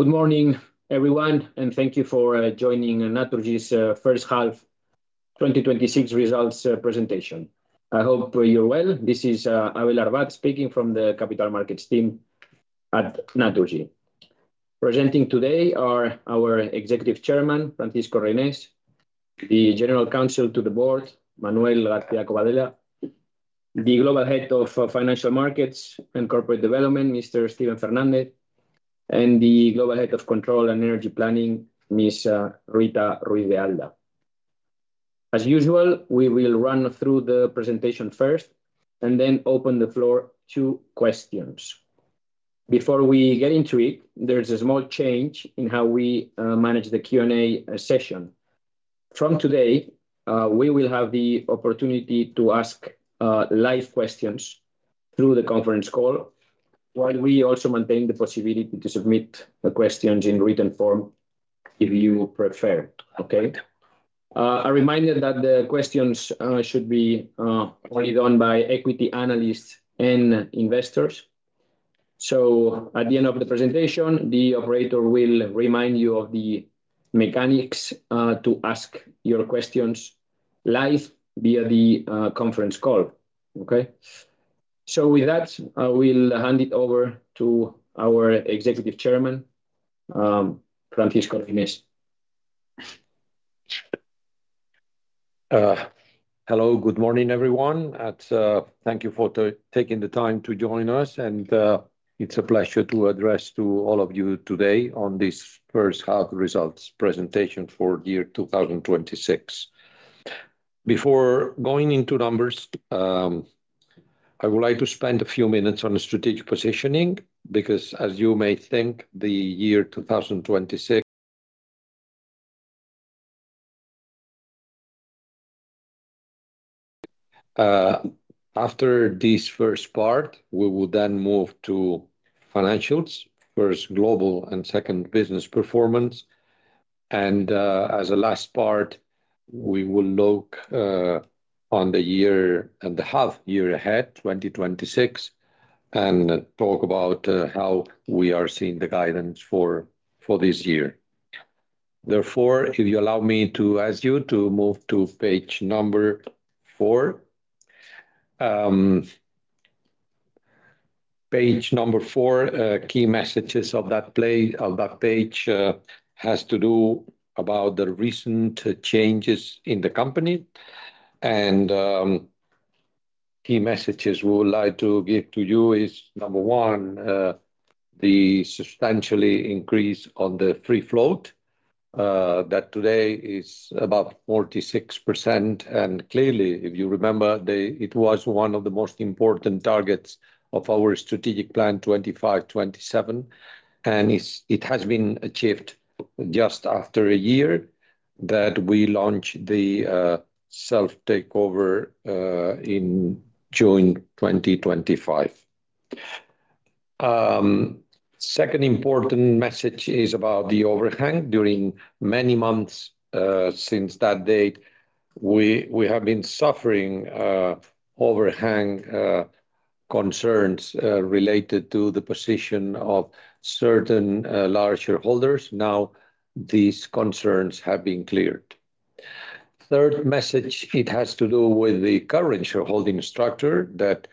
Good morning, everyone. Thank you for joining Naturgy's first half 2026 results presentation. I hope you're well. This is Abel Arbat speaking from the capital markets team at Naturgy. Presenting today are our Executive Chairman, Francisco Reynés, the General Counsel to the board, Manuel García Cobaleda, the Global Head of Financial Markets and Corporate Development, Mr. Steven Fernández, and the Global Head of Control and Energy Planning, Ms. Rita Ruiz de Alda. As usual, we will run through the presentation first. Then open the floor to questions. Before we get into it, there's a small change in how we manage the Q&A session. From today, we will have the opportunity to ask live questions through the conference call, while we also maintain the possibility to submit the questions in written form if you prefer. Okay. A reminder that the questions should be only done by equity analysts and investors. At the end of the presentation, the operator will remind you of the mechanics to ask your questions live via the conference call. Okay. With that, I will hand it over to our Executive Chairman, Francisco Reynés. Hello. Good morning, everyone. Thank you for taking the time to join us. It's a pleasure to address to all of you today on this first half results presentation for the year 2026. Before going into numbers, I would like to spend a few minutes on strategic positioning because, as you may think, after this first part, we will then move to financials. First, global and second, business performance. As a last part, we will look on the year and the half year ahead, 2026. Talk about how we are seeing the guidance for this year. Therefore, if you allow me to ask you to move to page number four. Page number four. Key messages of that page has to do about the recent changes in the company. Key messages we would like to give to you is, number one, the substantially increase on the free float, that today is about 46%. Clearly, if you remember, it was one of the most important targets of our strategic plan 2025, 2027. It has been achieved just after a year that we launched the self-takeover in June 2025. Second important message is about the overhang. During many months since that date, we have been suffering overhang concerns related to the position of certain large shareholders. Now these concerns have been cleared. Third message, it has to do with the current shareholding structure that,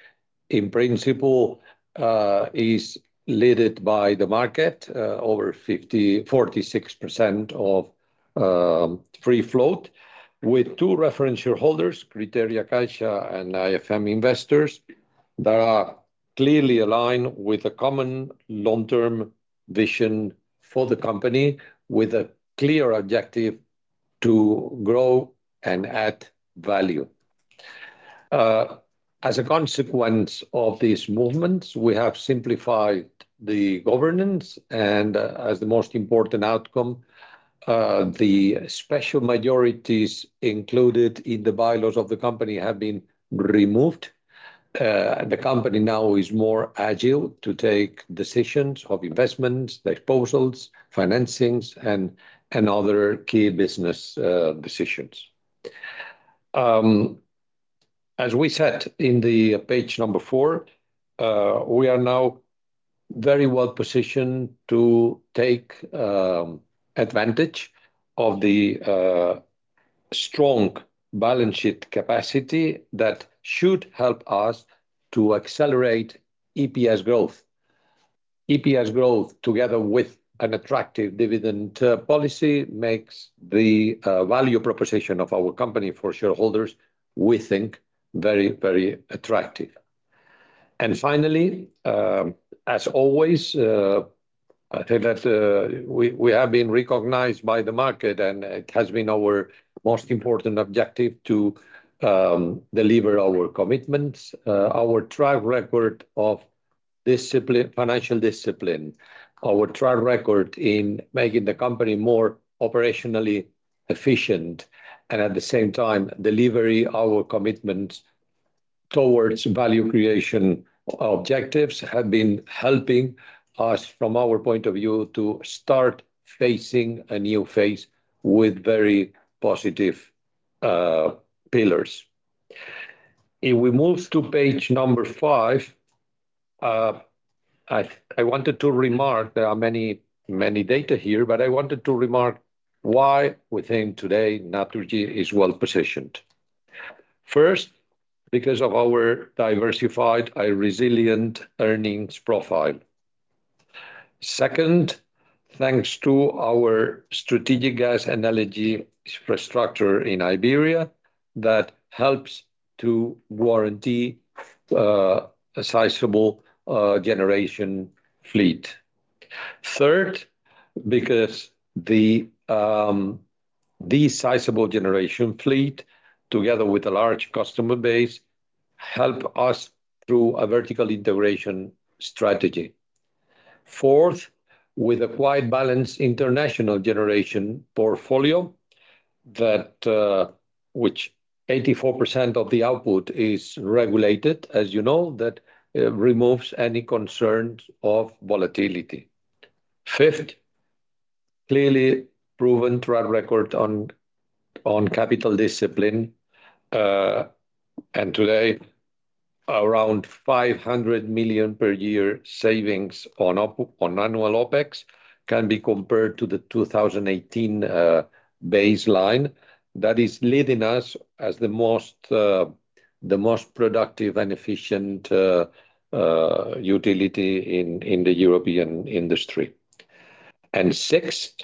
in principle, is leaded by the market, over 46% of free float with two reference shareholders, CriteriaCaixa and IFM Investors, that are clearly aligned with a common long-term vision for the company with a clear objective to grow and add value. As a consequence of these movements, we have simplified the governance and, as the most important outcome, the special majorities included in the bylaws of the company have been removed. The company now is more agile to take decisions of investments, disposals, financings, and other key business decisions. As we said in the page number four, we are now very well positioned to take advantage of the strong balance sheet capacity that should help us to accelerate EPS growth. EPS growth, together with an attractive dividend policy, makes the value proposition of our company for shareholders, we think, very attractive. Finally, as always, I think that we have been recognized by the market and it has been our most important objective to deliver our commitments, our track record of financial discipline, our track record in making the company more operationally efficient and, at the same time, delivering our commitment towards value creation objectives have been helping us, from our point of view, to start facing a new phase with very positive pillars. If we move to page number five, I wanted to remark there are many data here, but I wanted to remark why we think today Naturgy is well-positioned. First, because of our diversified and resilient earnings profile. Second, thanks to our strategic gas and LNG infrastructure in Iberia that helps to warranty a sizable generation fleet. Third, because this sizable generation fleet, together with a large customer base, help us through a vertical integration strategy. Fourth, with a quite balanced international generation portfolio, which 84% of the output is regulated, as you know, that removes any concerns of volatility. Fifth, clearly proven track record on capital discipline, and today, around 500 million per year savings on annual OpEx can be compared to the 2018 baseline that is leading us as the most productive and efficient utility in the European industry. Sixth,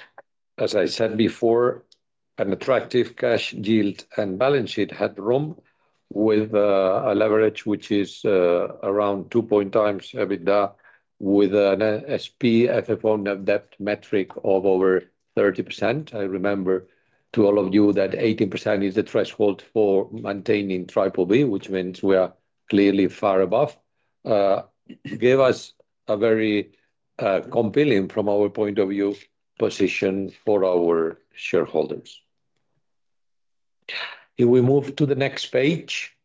as I said before, an attractive cash yield and balance sheet headroom with a leverage which is around 2x EBITDA with an S&P FFO net debt metric of over 30%. I remember to all of you that 18% is the threshold for maintaining BBB, which means we are clearly far above. Give us a very compelling, from our point of view, position for our shareholders. If we move to the next page.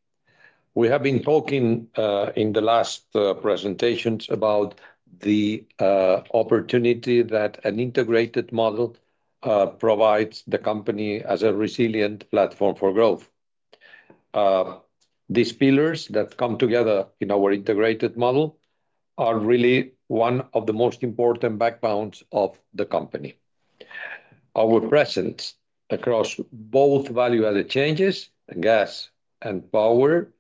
We have been talking in the last presentations about the opportunity that an integrated model provides the company as a resilient platform for growth. These pillars that come together in our integrated model are really one of the most important backbones of the company. Our presence across both value-added chains, gas and power,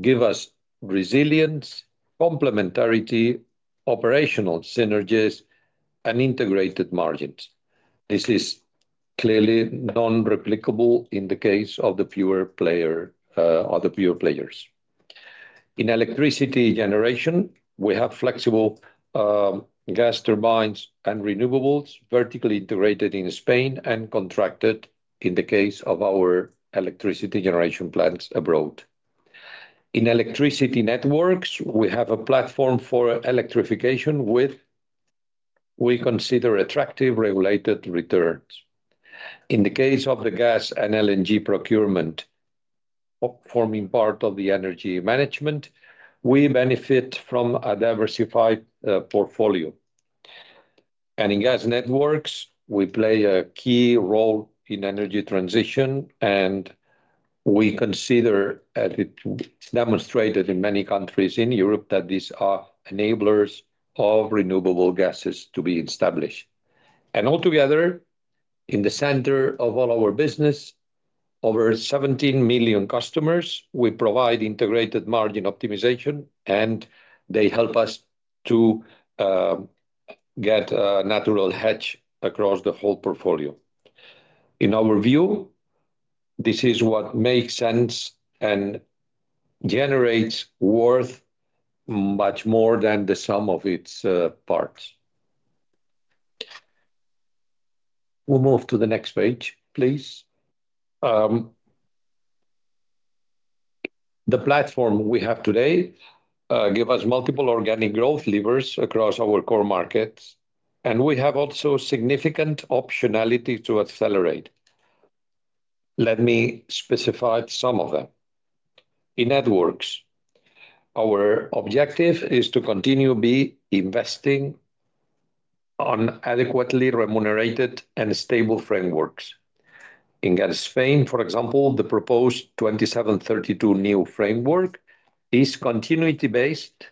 give us resilience, complementarity, operational synergies, and integrated margins. This is clearly non-replicable in the case of the pure players. In electricity generation, we have flexible gas turbines and renewables vertically integrated in Spain and contracted in the case of our electricity generation plants abroad. In electricity networks, we have a platform for electrification which we consider attractive regulated returns. In the case of the gas and LNG procurement, forming part of the energy management, we benefit from a diversified portfolio. In gas networks, we play a key role in energy transition. We consider as it's demonstrated in many countries in Europe that these are enablers of renewable gases to be established. Altogether, in the center of all our business, over 17 million customers, we provide integrated margin optimization. They help us to get a natural hedge across the whole portfolio. In our view, this is what makes sense and generates worth much more than the sum of its parts. We'll move to the next page, please. The platform we have today give us multiple organic growth levers across our core markets. We have also significant optionality to accelerate. Let me specify some of them. In networks, our objective is to continue be investing on adequately remunerated and stable frameworks. In Gas Spain, for example, the proposed 2732 new framework is continuity-based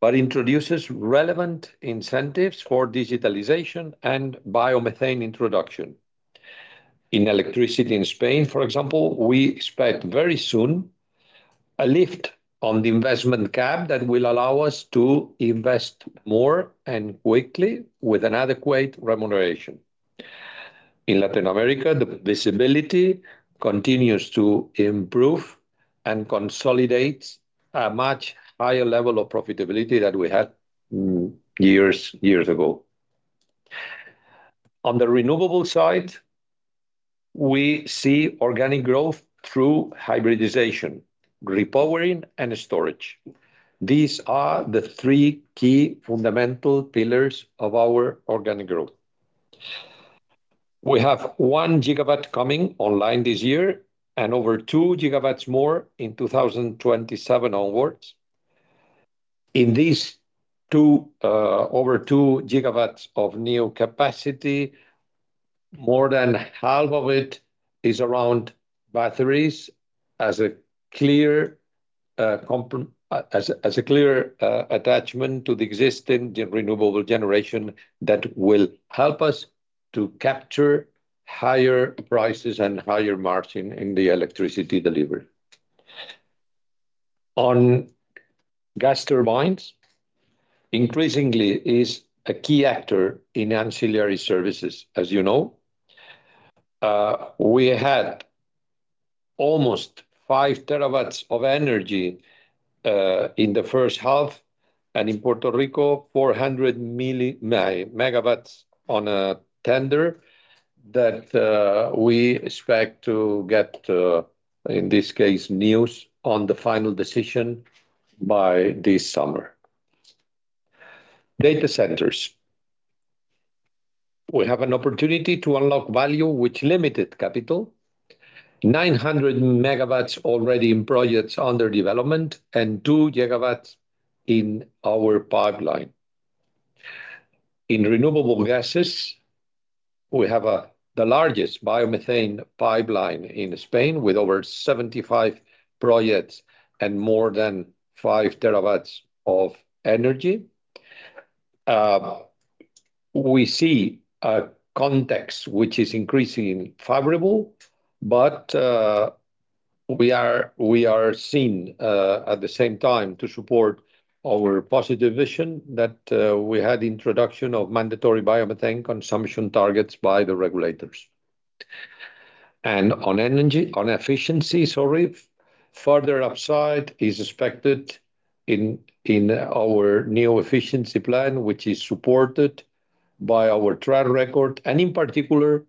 but introduces relevant incentives for digitalization and biomethane introduction. In electricity in Spain, for example, we expect very soon a lift on the investment cap that will allow us to invest more and quickly with an adequate remuneration. In Latin America, the visibility continues to improve and consolidates a much higher level of profitability than we had years ago. On the renewable side, we see organic growth through hybridization, repowering, and storage. These are the three key fundamental pillars of our organic growth. We have 1 GW coming online this year and over 2 GW more in 2027 onwards. In these over 2 GW of new capacity, more than half of it is around batteries as a clear attachment to the existing renewable generation that will help us to capture higher prices and higher margin in the electricity delivery. On gas turbines, increasingly is a key actor in ancillary services, as you know. We had almost 5 TW of energy in the first half. In Puerto Rico, 400 MW on a tender that we expect to get, in this case, news on the final decision by this summer. Data centers. We have an opportunity to unlock value with limited capital, 900 MW already in projects under development, and 2 GW in our pipeline. In renewable gases, we have the largest biomethane pipeline in Spain, with over 75 projects and more than 5 TW of energy. We see a context which is increasingly favorable, but we are seeing, at the same time, to support our positive vision, that we had introduction of mandatory biomethane consumption targets by the regulators. On energy, on efficiency, sorry, further upside is expected in our new efficiency plan, which is supported by our track record, and in particular,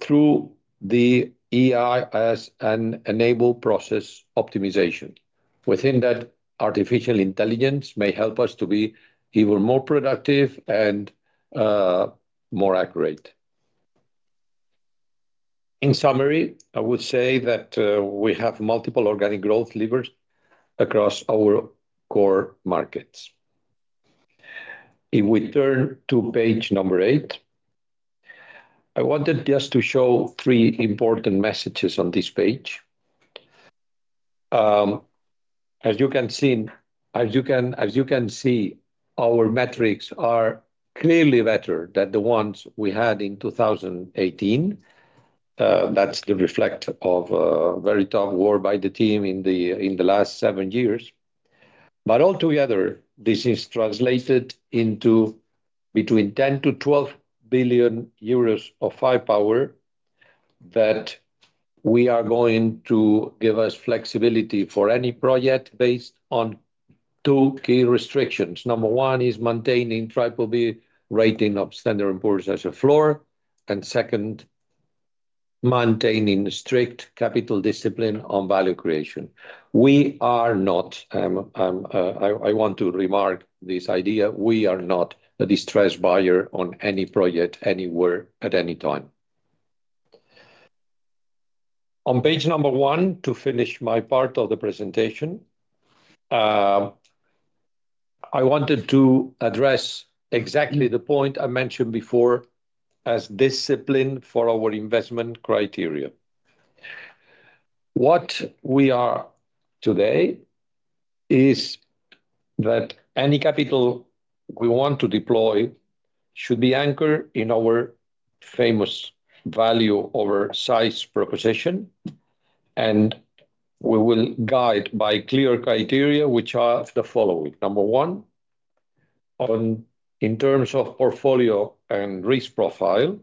through the AI as an enabled process optimization. Within that, artificial intelligence may help us to be even more productive and more accurate. In summary, I would say that we have multiple organic growth levers across our core markets. If we turn to page number eight, I wanted just to show three important messages on this page. As you can see, our metrics are clearly better than the ones we had in 2018. That's the reflection of a very tough work by the team in the last seven years. Altogether, this is translated into between 10 billion-12 billion euros of firepower that we are going to give us flexibility for any project based on two key restrictions. Number one is maintaining BBB rating of Standard & Poor's as a floor, and second, maintaining strict capital discipline on value creation. I want to remark this idea. We are not a distressed buyer on any project anywhere at any time. On page number one, to finish my part of the presentation, I wanted to address exactly the point I mentioned before as discipline for our investment criteria. What we are today is that any capital we want to deploy should be anchored in our famous value over size proposition. We will guide by clear criteria, which are the following. Number one, in terms of portfolio and risk profile,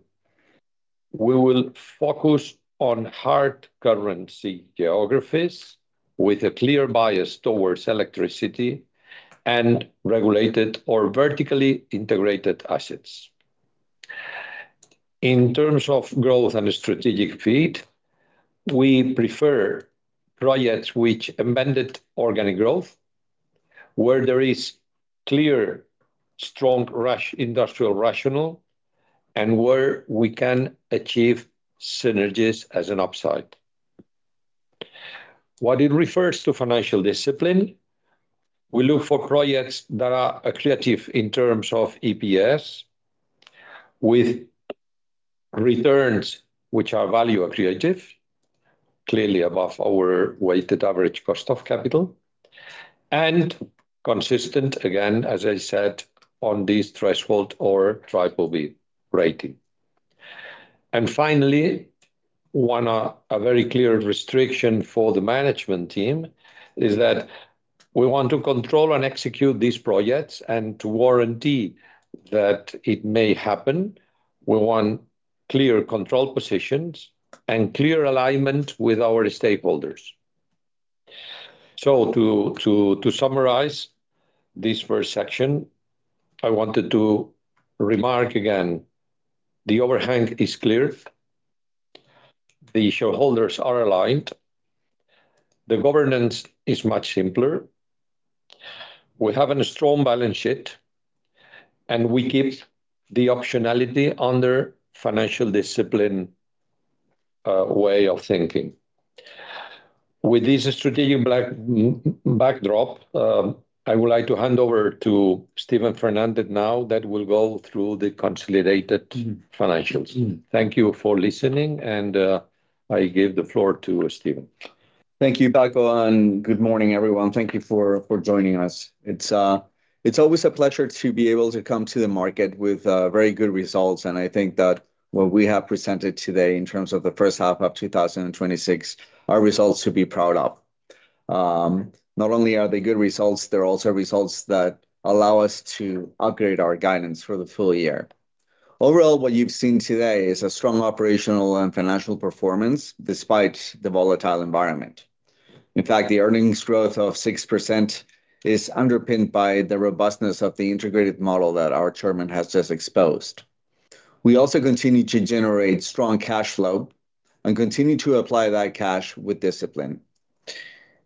we will focus on hard currency geographies with a clear bias towards electricity and regulated or vertically integrated assets. In terms of growth and strategic fit, we prefer projects which embed organic growth, where there is clear, strong industrial rationale, and where we can achieve synergies as an upside. As it refers to financial discipline, we look for projects that are accretive in terms of EPS, with returns which are value accretive, clearly above our weighted average cost of capital, and consistent, again, as I said, on this threshold or BBB rating. Finally, a very clear restriction for the management team is that we want to control and execute these projects, and to warrant that it may happen, we want clear control positions and clear alignment with our stakeholders. To summarize this first section, I wanted to remark again, the overhang is clear. The shareholders are aligned. The governance is much simpler. We have a strong balance sheet, and we keep the optionality under financial discipline way of thinking. With this strategic backdrop, I would like to hand over to Steven Fernández now, that will go through the consolidated financials. Thank you for listening. I give the floor to Steven. Thank you, Paco. Good morning, everyone. Thank you for joining us. It's always a pleasure to be able to come to the market with very good results, and I think that what we have presented today in terms of the first half of 2026 are results to be proud of. Not only are they good results, they're also results that allow us to upgrade our guidance for the full year. Overall, what you've seen today is a strong operational and financial performance despite the volatile environment. In fact, the earnings growth of 6% is underpinned by the robustness of the integrated model that our Chairman has just exposed. We also continue to generate strong cash flow and continue to apply that cash with discipline.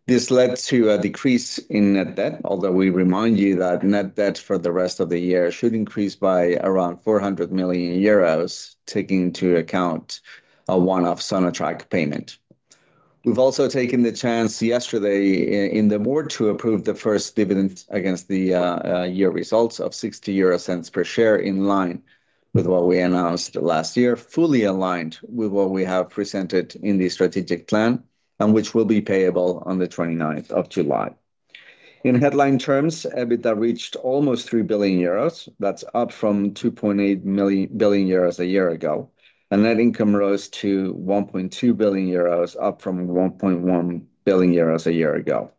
This led to a decrease in net debt, although we remind you that net debt for the rest of the year should increase by around 400 million euros, taking into account a one-off Sonatrach payment. We've also taken the chance yesterday in the board to approve the first dividend against the year results of 0.60 per share, in line with what we announced last year, fully aligned with what we have presented in the strategic plan, and which will be payable on the 29th of July. In headline terms, EBITDA reached almost 3 billion euros. That's up from 2.8 billion euros a year ago. Net income rose to 1.2 billion euros, up from 1.1 billion euros a year ago.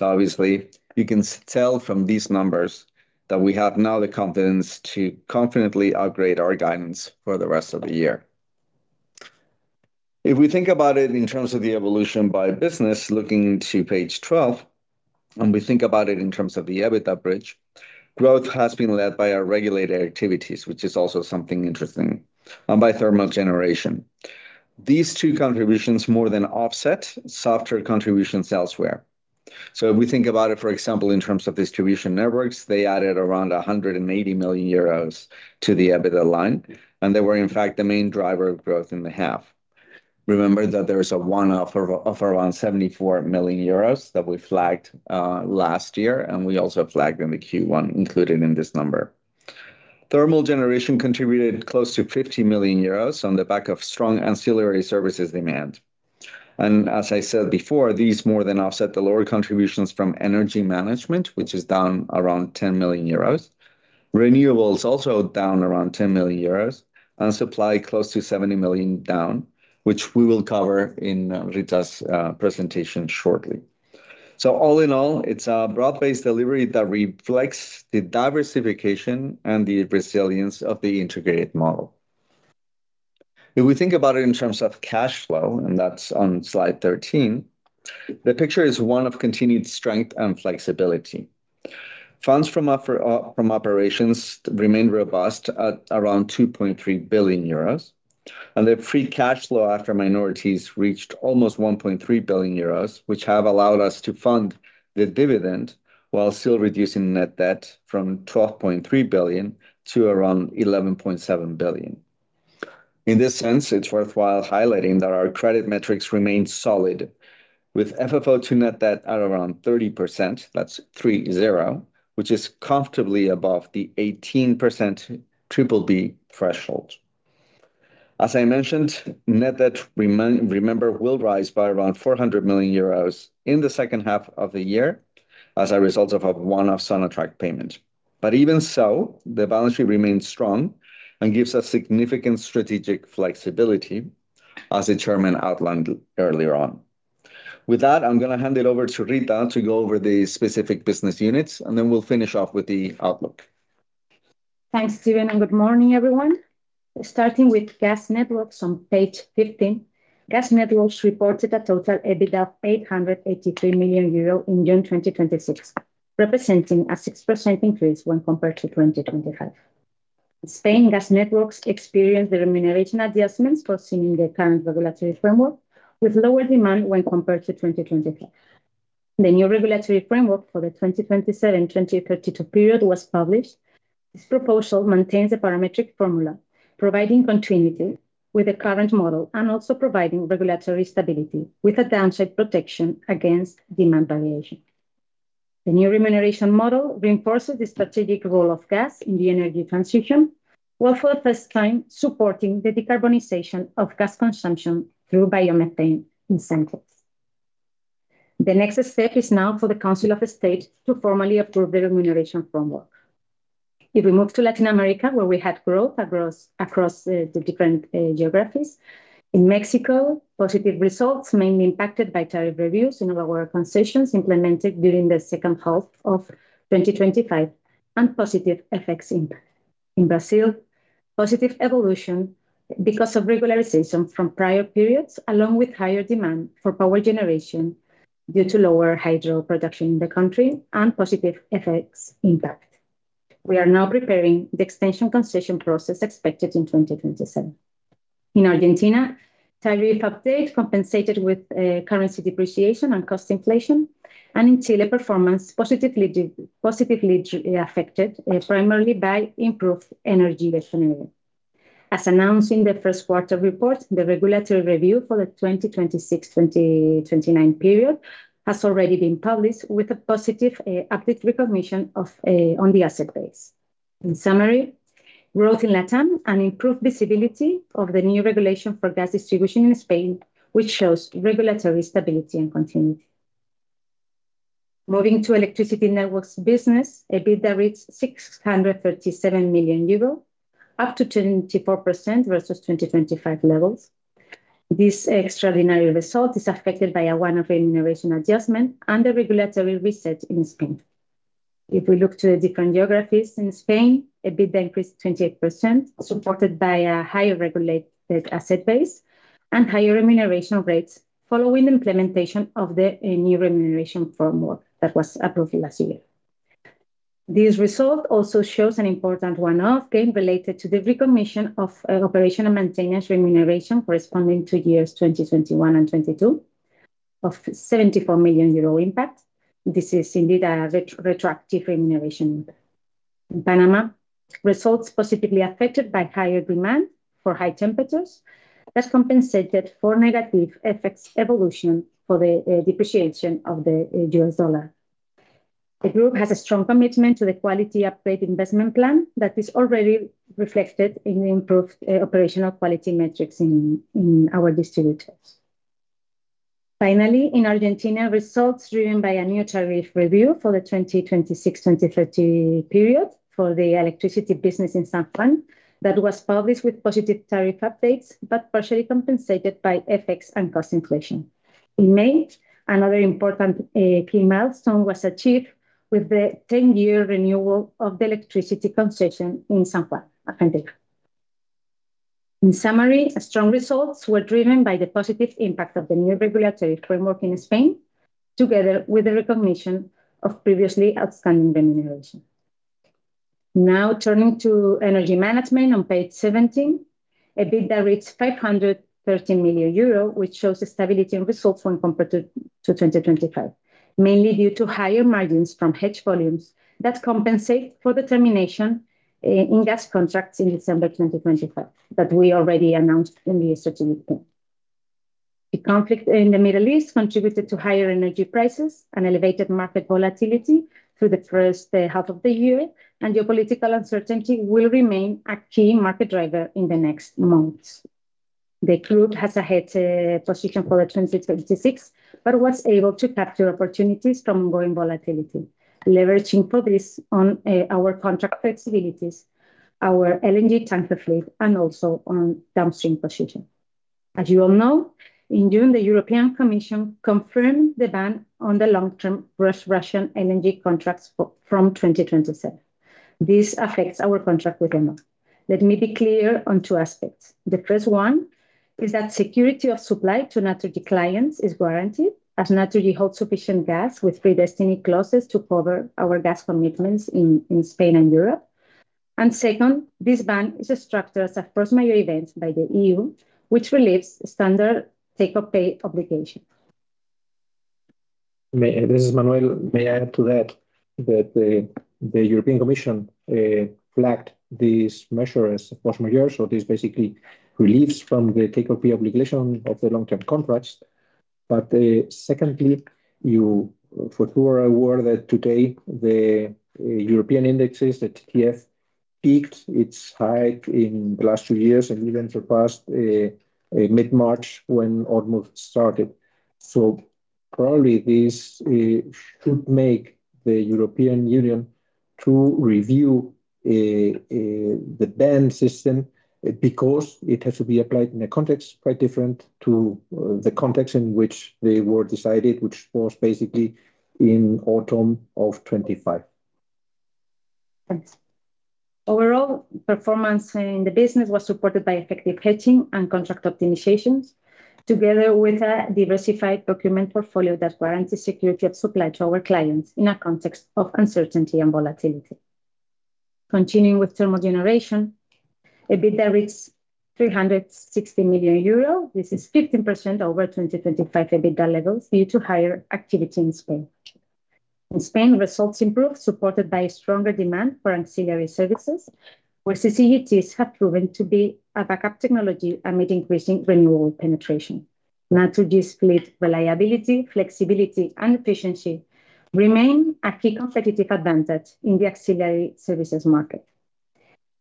Obviously, you can tell from these numbers that we have now the confidence to confidently upgrade our guidance for the rest of the year. We think about it in terms of the evolution by business, looking to page 12, and we think about it in terms of the EBITDA bridge, growth has been led by our regulated activities, which is also something interesting, and by thermal generation. These two contributions more than offset softer contributions elsewhere. We think about it, for example, in terms of distribution networks, they added around 180 million euros to the EBITDA line, and they were, in fact, the main driver of growth in the half. Remember that there is a one-off of around 74 million euros that we flagged last year, and we also flagged in the Q1 included in this number. Thermal generation contributed close to 50 million euros on the back of strong ancillary services demand. As I said before, these more than offset the lower contributions from energy management, which is down around 10 million euros. Renewables, also down around 10 million euros, and supply close to 70 million down, which we will cover in Rita's presentation shortly. All in all, it's a broad-based delivery that reflects the diversification and the resilience of the integrated model. We think about it in terms of cash flow, and that's on slide 13, the picture is one of continued strength and flexibility. Funds from operations remain robust at around 2.3 billion euros, and the free cash flow after minorities reached almost 1.3 billion euros, which have allowed us to fund the dividend while still reducing net debt from 12.3 billion to around 11.7 billion. In this sense, it's worthwhile highlighting that our credit metrics remain solid, with FFO to net debt at around 30%, that's 3-0, which is comfortably above the 18% BBB threshold. As I mentioned, net debt, remember, will rise by around 400 million euros in the second half of the year as a result of a one-off Sonatrach payment. Even so, the balance sheet remains strong and gives us significant strategic flexibility, as the Chairman outlined earlier on. With that, I'm going to hand it over to Rita to go over the specific business units, and then we'll finish off with the outlook. Thanks, Steven, and good morning, everyone. Starting with Gas Networks on page 15. Gas Networks reported a total EBITDA of 883 million euro in June 2026, representing a 6% increase when compared to 2025. Spain Gas Networks experienced the remuneration adjustments foreseen in the current regulatory framework, with lower demand when compared to 2025. The new regulatory framework for the 2027-2032 period was published. This proposal maintains a parametric formula, providing continuity with the current model and also providing regulatory stability with a downside protection against demand variation. The new remuneration model reinforces the strategic role of gas in the energy transition, while for the first time supporting the decarbonization of gas consumption through biomethane incentives. The next step is now for the Council of State to formally approve the remuneration framework. If we move to Latin America, where we had growth across the different geographies. In Mexico, positive results mainly impacted by tariff reviews in our concessions implemented during the second half of 2025 and positive effects impact. In Brazil, positive evolution because of regularization from prior periods, along with higher demand for power generation due to lower hydro production in the country and positive effects impact. We are now preparing the extension concession process expected in 2027. In Argentina, tariff update compensated with currency depreciation and cost inflation, and in Chile, performance positively affected primarily by improved energy efficiency. As announced in the first quarter report, the regulatory review for the 2026-2029 period has already been published with a positive update recognition on the asset base. In summary, growth in LATAM and improved visibility of the new regulation for gas distribution in Spain, which shows regulatory stability and continuity. Moving to electricity networks business, EBITDA reached 637 million euros, up to 24% versus 2025 levels. This extraordinary result is affected by a one-off remuneration adjustment and the regulatory reset in Spain. If we look to the different geographies in Spain, EBITDA increased 28%, supported by a higher regulated asset base and higher remuneration rates following the implementation of the new remuneration framework that was approved last year. This result also shows an important one-off gain related to the recognition of operational maintenance remuneration corresponding to years 2021 and 2022 of 74 million euro impact. This is indeed a retroactive remuneration. In Panama, results positively affected by higher demand for high temperatures that compensated for negative effects evolution for the depreciation of the U.S. dollar. The group has a strong commitment to the quality upgrade investment plan that is already reflected in improved operational quality metrics in our distributors. Finally, in Argentina, results driven by a new tariff review for the 2026-2030 period for the electricity business in San Juan that was published with positive tariff updates, but partially compensated by FX and cost inflation. In May, another important key milestone was achieved with the 10-year renewal of the electricity concession in San Juan, Argentina. In summary, strong results were driven by the positive impact of the new regulatory framework in Spain, together with the recognition of previously outstanding remuneration. Now turning to energy management on page 17. EBITDA reached 513 million euro, which shows a stability in results when compared to 2025, mainly due to higher margins from hedged volumes that compensate for the termination in gas contracts in December 2025 that we already announced in the strategic plan. The conflict in the Middle East contributed to higher energy prices and elevated market volatility through the first half of the year. Geopolitical uncertainty will remain a key market driver in the next months. The group has a hedged position for 2026 but was able to capture opportunities from growing volatility, leveraging for this on our contract flexibilities, our LNG tanker fleet, and also on downstream positioning. As you all know, in June, the European Commission confirmed the ban on the long-term Russian LNG contracts from 2027. This affects our contract with Yamal. Let me be clear on two aspects. The first one is that security of supply to Naturgy clients is guaranteed, as Naturgy holds sufficient gas with free destiny clauses to cover our gas commitments in Spain and Europe. Second, this ban is structured as a force majeure event by the EU, which relieves standard take-or-pay obligation. This is Manuel. May I add to that the European Commission flagged this measure as force majeure. This basically relieves from the take-or-pay obligation of the long-term contracts. Secondly, for whoever is aware that today the European indexes, the TTF, peaked its high in the last two years and even surpassed mid-March when autumn started. Probably this should make the European Union to review the ban system, because it has to be applied in a context quite different to the context in which they were decided, which was basically in autumn of 2025. Thanks. Overall, performance in the business was supported by effective hedging and contract optimizations, together with a diversified procurement portfolio that guarantees security of supply to our clients in a context of uncertainty and volatility. Continuing with thermal generation, EBITDA reached 360 million euro. This is 15% over 2025 EBITDA levels due to higher activity in Spain. In Spain, results improved, supported by stronger demand for ancillary services, where CCGTs have proven to be a backup technology amid increasing renewable penetration. Naturgy's fleet reliability, flexibility, and efficiency remain a key competitive advantage in the ancillary services market.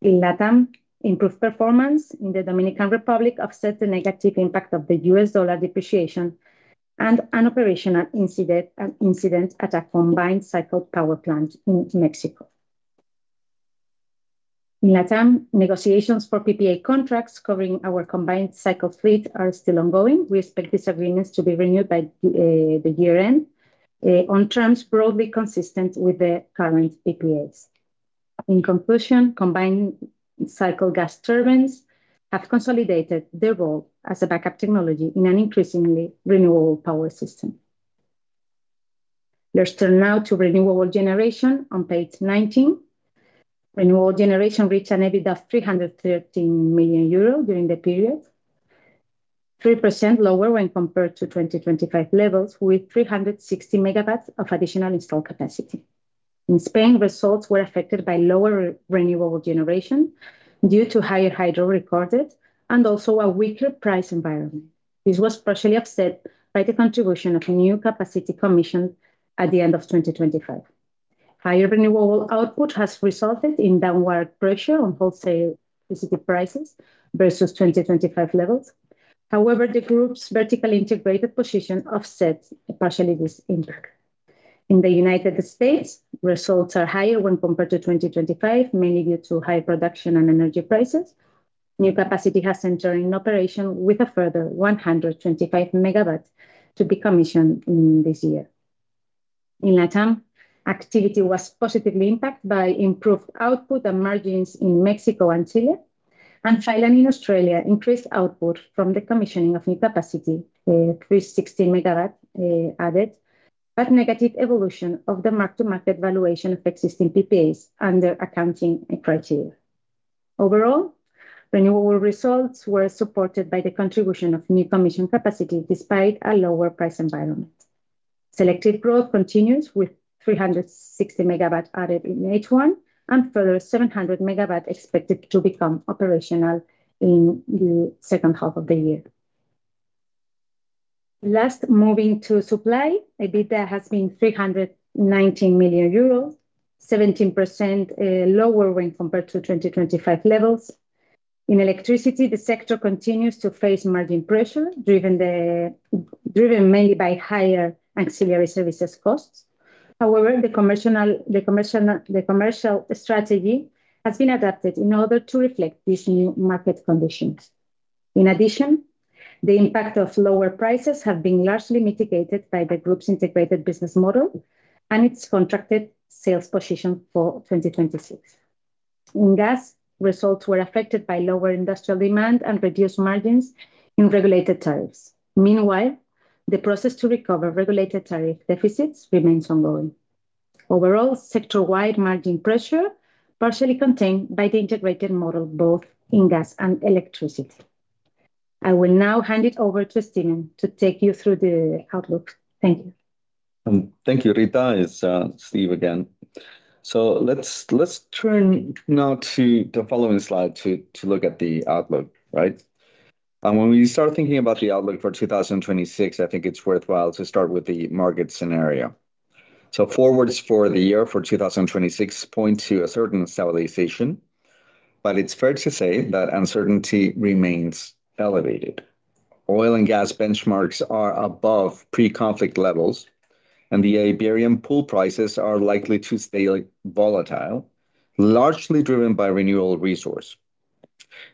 In LATAM, improved performance in the Dominican Republic offset the negative impact of the U.S. dollar depreciation and an operational incident at a combined cycle power plant in Mexico. In LATAM, negotiations for PPA contracts covering our combined cycle fleet are still ongoing. We expect these agreements to be renewed by the year-end on terms broadly consistent with the current PPAs. In conclusion, combined cycle gas turbines have consolidated their role as a backup technology in an increasingly renewable power system. Let's turn now to renewable generation on page 19. Renewable generation reached an EBITDA of 313 million euros during the period, 3% lower when compared to 2025 levels, with 360 MW of additional installed capacity. In Spain, results were affected by lower renewable generation due to higher hydro recorded and also a weaker price environment. This was partially offset by the contribution of a new capacity commissioned at the end of 2025. Higher renewable output has resulted in downward pressure on wholesale electricity prices versus 2025 levels. However, the group's vertically integrated position offsets partially this impact. In the United States, results are higher when compared to 2025, mainly due to high production and energy prices. New capacity has entered in operation with a further 125 MW to be commissioned in this year. In LATAM, activity was positively impacted by improved output and margins in Mexico and Chile. Finally, in Australia, increased output from the commissioning of new capacity, 316 MW added, but negative evolution of the mark-to-market valuation of existing PPAs under accounting criteria. Overall, renewable results were supported by the contribution of new commissioned capacity despite a lower price environment. Selective growth continues with 360 MW added in H1 and further 700 MW expected to become operational in the second half of the year. Last, moving to supply, EBITDA has been 319 million euros, 17% lower when compared to 2025 levels. In electricity, the sector continues to face margin pressure, driven mainly by higher ancillary services costs. However, the commercial strategy has been adapted in order to reflect these new market conditions. In addition, the impact of lower prices has been largely mitigated by the group's integrated business model and its contracted sales position for 2026. In gas, results were affected by lower industrial demand and reduced margins in regulated tariffs. Meanwhile, the process to recover regulated tariff deficits remains ongoing. Overall, sector-wide margin pressure partially contained by the integrated model, both in gas and electricity. I will now hand it over to Steven to take you through the outlook. Thank you. Thank you, Rita. It's Steve again. Let's turn now to the following slide to look at the outlook. When we start thinking about the outlook for 2026, I think it's worthwhile to start with the market scenario. Forwards for the year for 2026 point to a certain stabilization, but it's fair to say that uncertainty remains elevated. Oil and gas benchmarks are above pre-conflict levels, and the Iberian pool prices are likely to stay volatile, largely driven by renewable resource.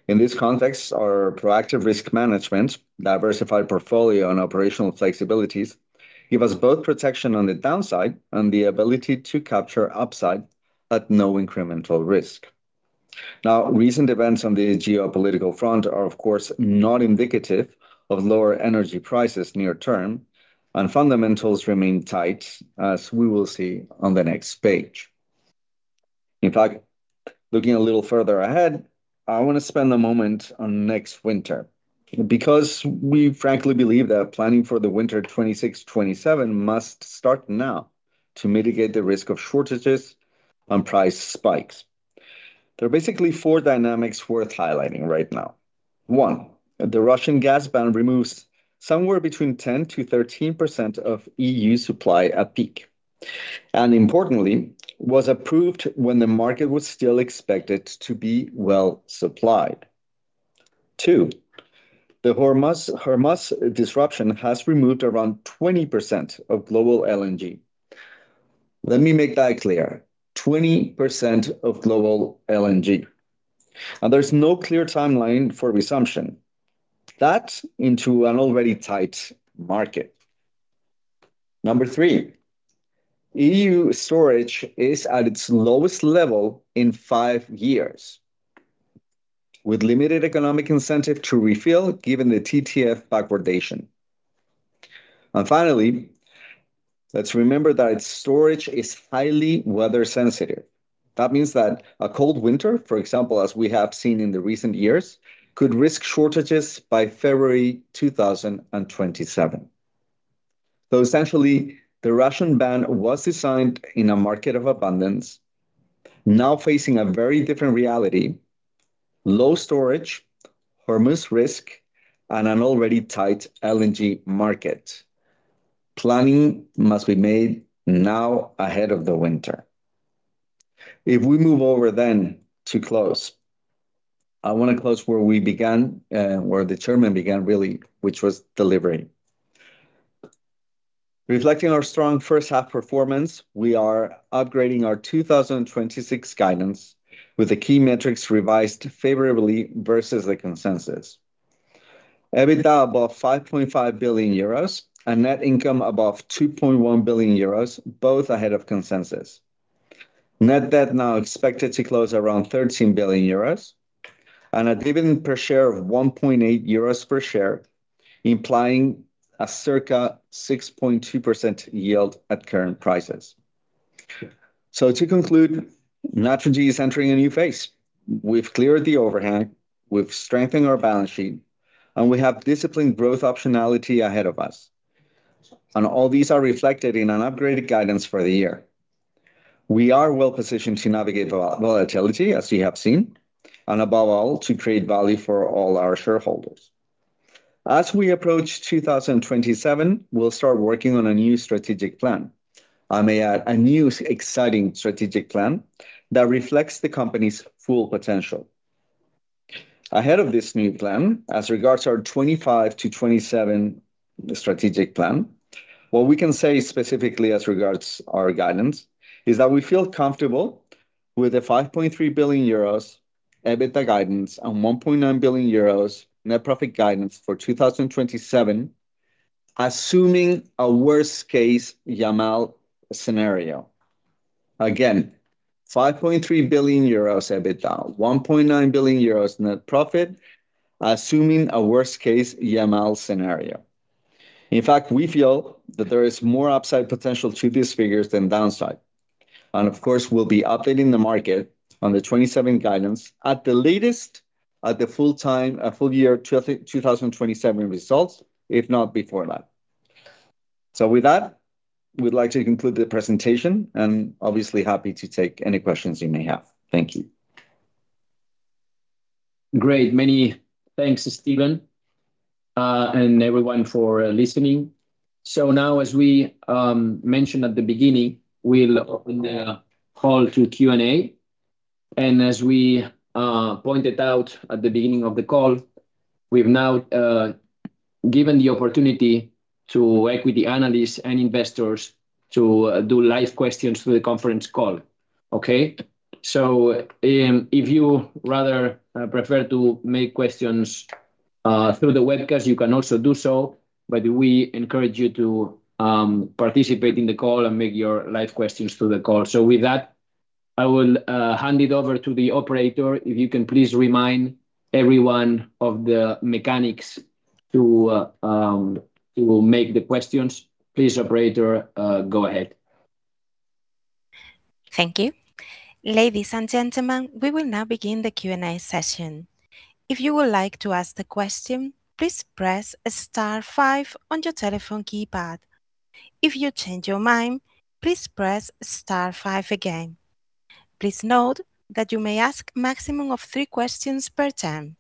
In this context, our proactive risk management, diversified portfolio and operational flexibilities give us both protection on the downside and the ability to capture upside at no incremental risk. Recent events on the geopolitical front are, of course, not indicative of lower energy prices near term and fundamentals remain tight, as we will see on the next page. In fact, looking a little further ahead, I want to spend a moment on next winter, because we frankly believe that planning for the winter 2026, 2027 must start now to mitigate the risk of shortages and price spikes. There are basically four dynamics worth highlighting right now. One, the Russian gas ban removes somewhere between 10%-13% of EU supply at peak, and importantly, was approved when the market was still expected to be well supplied. Two, the Hormuz disruption has removed around 20% of global LNG. Let me make that clear, 20% of global LNG, and there's no clear timeline for resumption. That into an already tight market. Number three, EU storage is at its lowest level in five years, with limited economic incentive to refill given the TTF backwardation. And finally, let's remember that storage is highly weather sensitive. That means that a cold winter, for example, as we have seen in the recent years, could risk shortages by February 2027. So essentially, the Russian ban was designed in a market of abundance, now facing a very different reality: low storage, Hormuz risk, and an already tight LNG market. Planning must be made now ahead of the winter. If we move over then to close, I want to close where we began, where the chairman began really, which was delivery. Reflecting our strong first half performance, we are upgrading our 2026 guidance with the key metrics revised favorably versus the consensus. EBITDA above 5.5 billion euros, and net income above 2.1 billion euros, both ahead of consensus. Net debt now expected to close around 13 billion euros, and a dividend per share of 1.8 euros per share, implying a circa 6.2% yield at current prices. To conclude, Naturgy is entering a new phase. We've cleared the overhang, we've strengthened our balance sheet, and we have disciplined growth optionality ahead of us. And all these are reflected in an upgraded guidance for the year. We are well-positioned to navigate volatility, as you have seen, and above all, to create value for all our shareholders. As we approach 2027, we'll start working on a new strategic plan. I may add, a new exciting strategic plan that reflects the company's full potential. Ahead of this new plan, as regards our 2025-2027 strategic plan, what we can say specifically as regards our guidance is that we feel comfortable with a 5.3 billion euros EBITDA guidance and 1.9 billion euros net profit guidance for 2027, assuming a worst-case Yamal scenario. Again, 5.3 billion euros EBITDA, 1.9 billion euros net profit, assuming a worst-case Yamal scenario. In fact, we feel that there is more upside potential to these figures than downside. And of course, we'll be updating the market on the 2027 guidance at the latest at the full year 2027 results, if not before that. With that, we'd like to conclude the presentation, and obviously happy to take any questions you may have. Thank you. Great. Many thanks, Steven, and everyone for listening. Now, as we mentioned at the beginning, we will open the call to Q&A. As we pointed out at the beginning of the call, we have now given the opportunity to equity analysts and investors to do live questions through the conference call. Okay. If you rather prefer to make questions through the webcast, you can also do so, but we encourage you to participate in the call and make your live questions through the call. With that, I will hand it over to the operator. If you can please remind everyone of the mechanics to make the questions. Please, operator, go ahead. Thank you. Ladies and gentlemen, we will now begin the Q&A session. If you would like to ask the question, please press star five on your telephone keypad. If you change your mind, please press star five again. Please note that you may ask maximum of three questions per turn.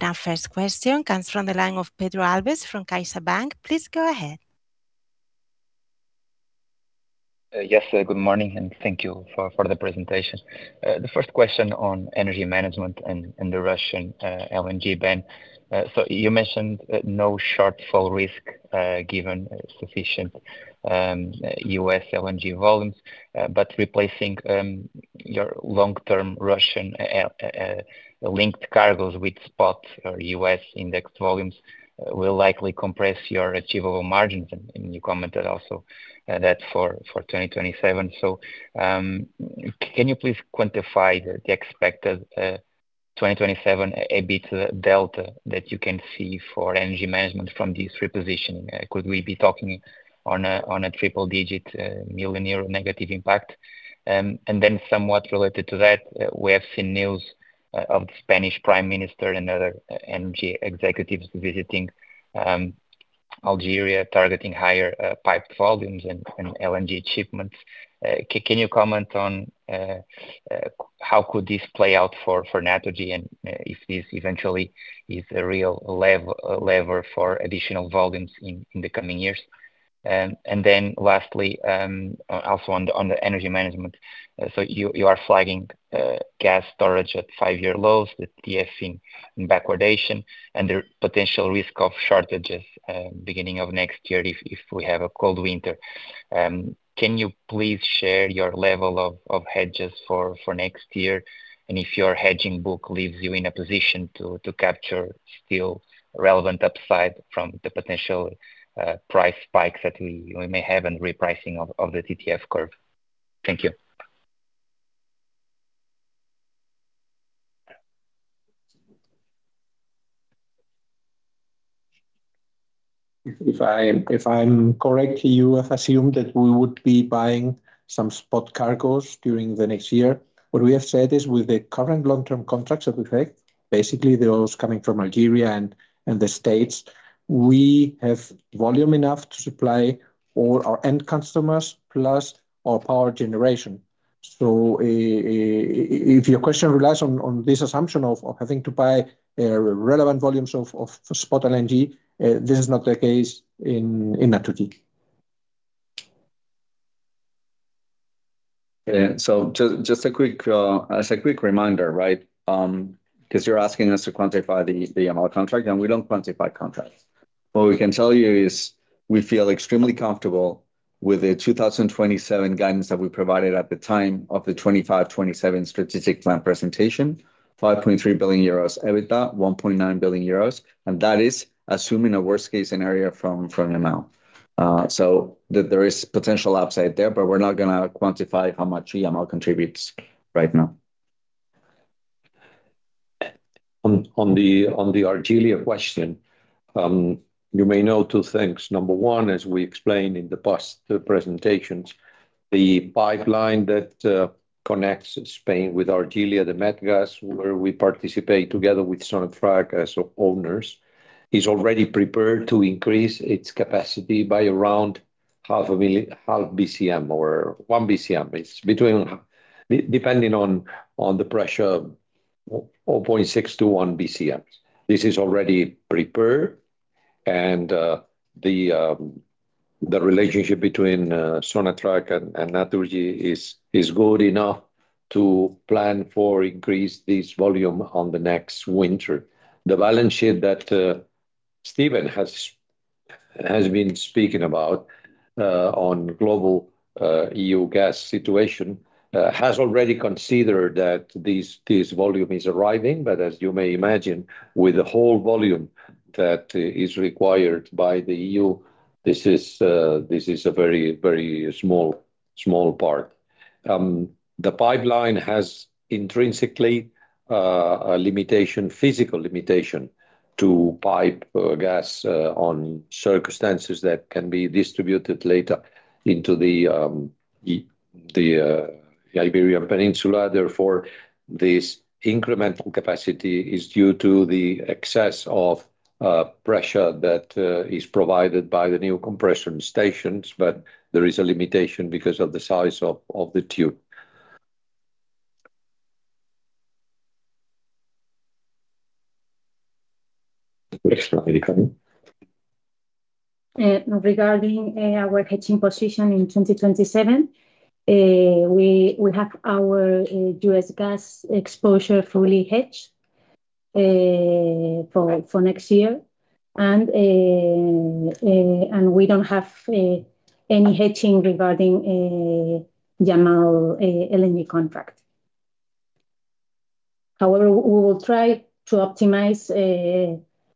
Our first question comes from the line of Pedro Alves from CaixaBank. Please go ahead. Yes, good morning, and thank you for the presentation. The first question on energy management and the Russian LNG ban. You mentioned no shortfall risk, given sufficient U.S. LNG volumes. But replacing your long-term Russian linked cargoes with spot or U.S. indexed volumes will likely compress your achievable margins. You commented also that for 2027. Can you please quantify the expected 2027 EBIT delta that you can see for energy management from this repositioning? Could we be talking on a triple-digit million euro negative impact? Then somewhat related to that, we have seen news of the Spanish Prime Minister and other energy executives visiting Algeria, targeting higher piped volumes and LNG shipments. Can you comment on how could this play out for Naturgy, and if this eventually is a real lever for additional volumes in the coming years? Then lastly, also on the energy management. You are flagging gas storage at five-year lows, the TTF in backwardation and the potential risk of shortages, beginning of next year if we have a cold winter. Can you please share your level of hedges for next year? If your hedging book leaves you in a position to capture still relevant upside from the potential price spikes that we may have and repricing of the TTF curve. Thank you. If I'm correct, you have assumed that we would be buying some spot cargoes during the next year. What we have said is, with the current long-term contracts that we have, basically those coming from Algeria and the States, we have volume enough to supply all our end customers plus our power generation. If your question relies on this assumption of having to buy relevant volumes of spot LNG, this is not the case in Naturgy. Yeah. Just a quick reminder, because you're asking us to quantify the Yamal contract, and we don't quantify contracts. What we can tell you is we feel extremely comfortable with the 2027 guidance that we provided at the time of the 2025-2027 strategic plan presentation. 5.3 billion euros EBITDA, 1.9 billion euros, and that is assuming a worst-case scenario from Yamal. There is potential upside there, but we're not going to quantify how much Yamal contributes right now. On the Algeria question, you may know two things. Number one, as we explained in the past presentations, the pipeline that connects Spain with Algeria, the Medgaz, where we participate together with Sonatrach as owners, is already prepared to increase its capacity by around 0.5 BCM or 1 BCM. Depending on the pressure, 0.6 BCM-1 BCM. This is already prepared, and the relationship between Sonatrach and Naturgy is good enough to plan for increase this volume on the next winter. The balance sheet that Steven has been speaking about on global EU gas situation has already considered that this volume is arriving. As you may imagine, with the whole volume that is required by the EU, this is a very small part. The pipeline has intrinsically a physical limitation to pipe gas on circumstances that can be distributed later into the Iberian Peninsula. Therefore, this incremental capacity is due to the excess of pressure that is provided by the new compression stations, but there is a limitation because of the size of the tube. Regarding our hedging position in 2027, we have our U.S. gas exposure fully hedged for next year, we do not have any hedging regarding Yamal LNG contract. However, we will try to optimize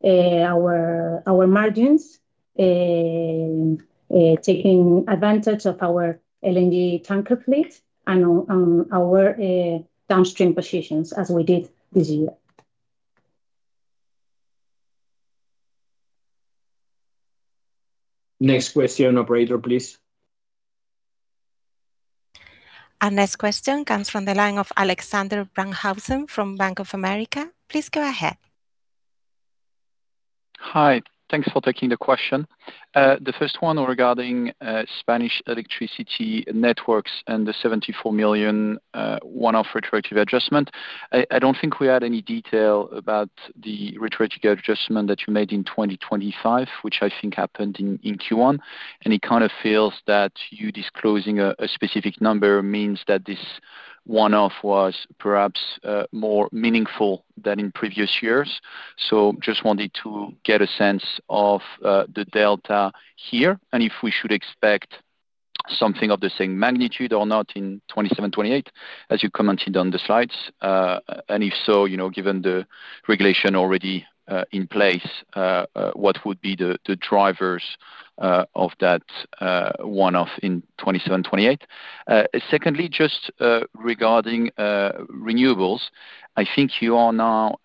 our margins, taking advantage of our LNG tanker fleet and on our downstream positions as we did this year. Next question, operator, please. Our next question comes from the line of Alexandre Braunshausen from Bank of America. Please go ahead. Hi. Thanks for taking the question. The first one regarding Spanish electricity networks and the 74 million one-off retroactive adjustment. I do not think we had any detail about the retroactive adjustment that you made in 2025, which I think happened in Q1. It kind of feels that you disclosing a specific number means that this one-off was perhaps more meaningful than in previous years. Just wanted to get a sense of the delta here, and if we should expect something of the same magnitude or not in 2027, 2028, as you commented on the slides. If so, given the regulation already in place, what would be the drivers of that one-off in 2027, 2028? Secondly, just regarding renewables, I think you are now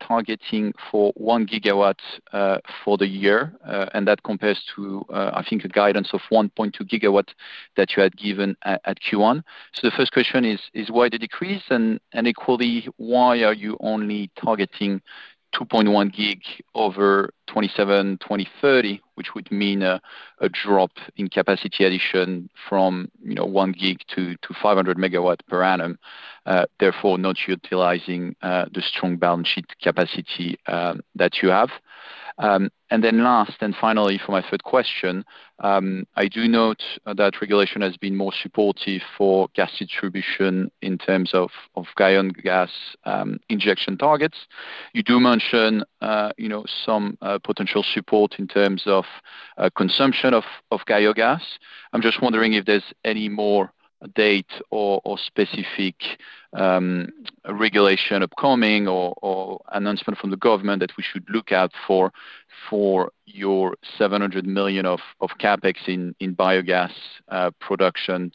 targeting for 1 GW for the year, and that compares to, I think, a guidance of 1.2 GW that you had given at Q1. The first question is why the decrease? Equally, why are you only targeting 2.1 GW over 2027-2030, which would mean a drop in capacity addition from 1 GW to 500 MW per annum, therefore not utilizing the strong balance sheet capacity that you have? Last, and finally for my third question, I do note that regulation has been more supportive for gas distribution in terms of biogas injection targets. You do mention some potential support in terms of consumption of biogas. I'm just wondering if there's any more data or specific regulation upcoming or announcement from the government that we should look out for your 700 million of CapEx in biogas production,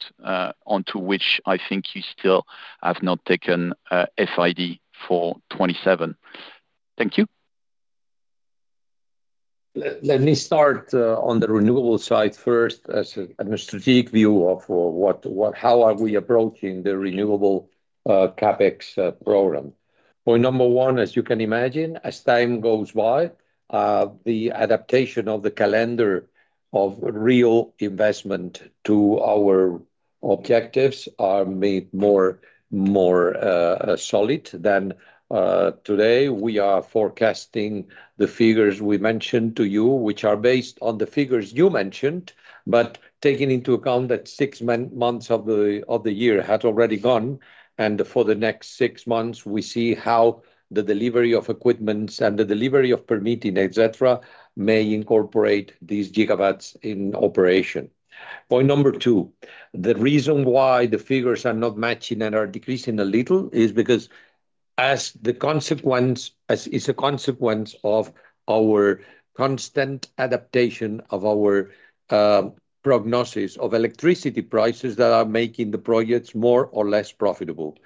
onto which I think you still have not taken a FID for 2027. Thank you. Let me start on the renewable side first as a strategic view of how are we approaching the renewable CapEx program. Point number one, as you can imagine, as time goes by, the adaptation of the calendar of real investment to our objectives are made more solid than today. We are forecasting the figures we mentioned to you, which are based on the figures you mentioned, but taking into account that six months of the year had already gone, and for the next six months, we see how the delivery of equipment and the delivery of permitting, et cetera, may incorporate these gigawatts in operation. Point number two, the reason why the figures are not matching and are decreasing a little is because as a consequence of our constant adaptation of our prognosis of electricity prices that are making the projects more or less profitable.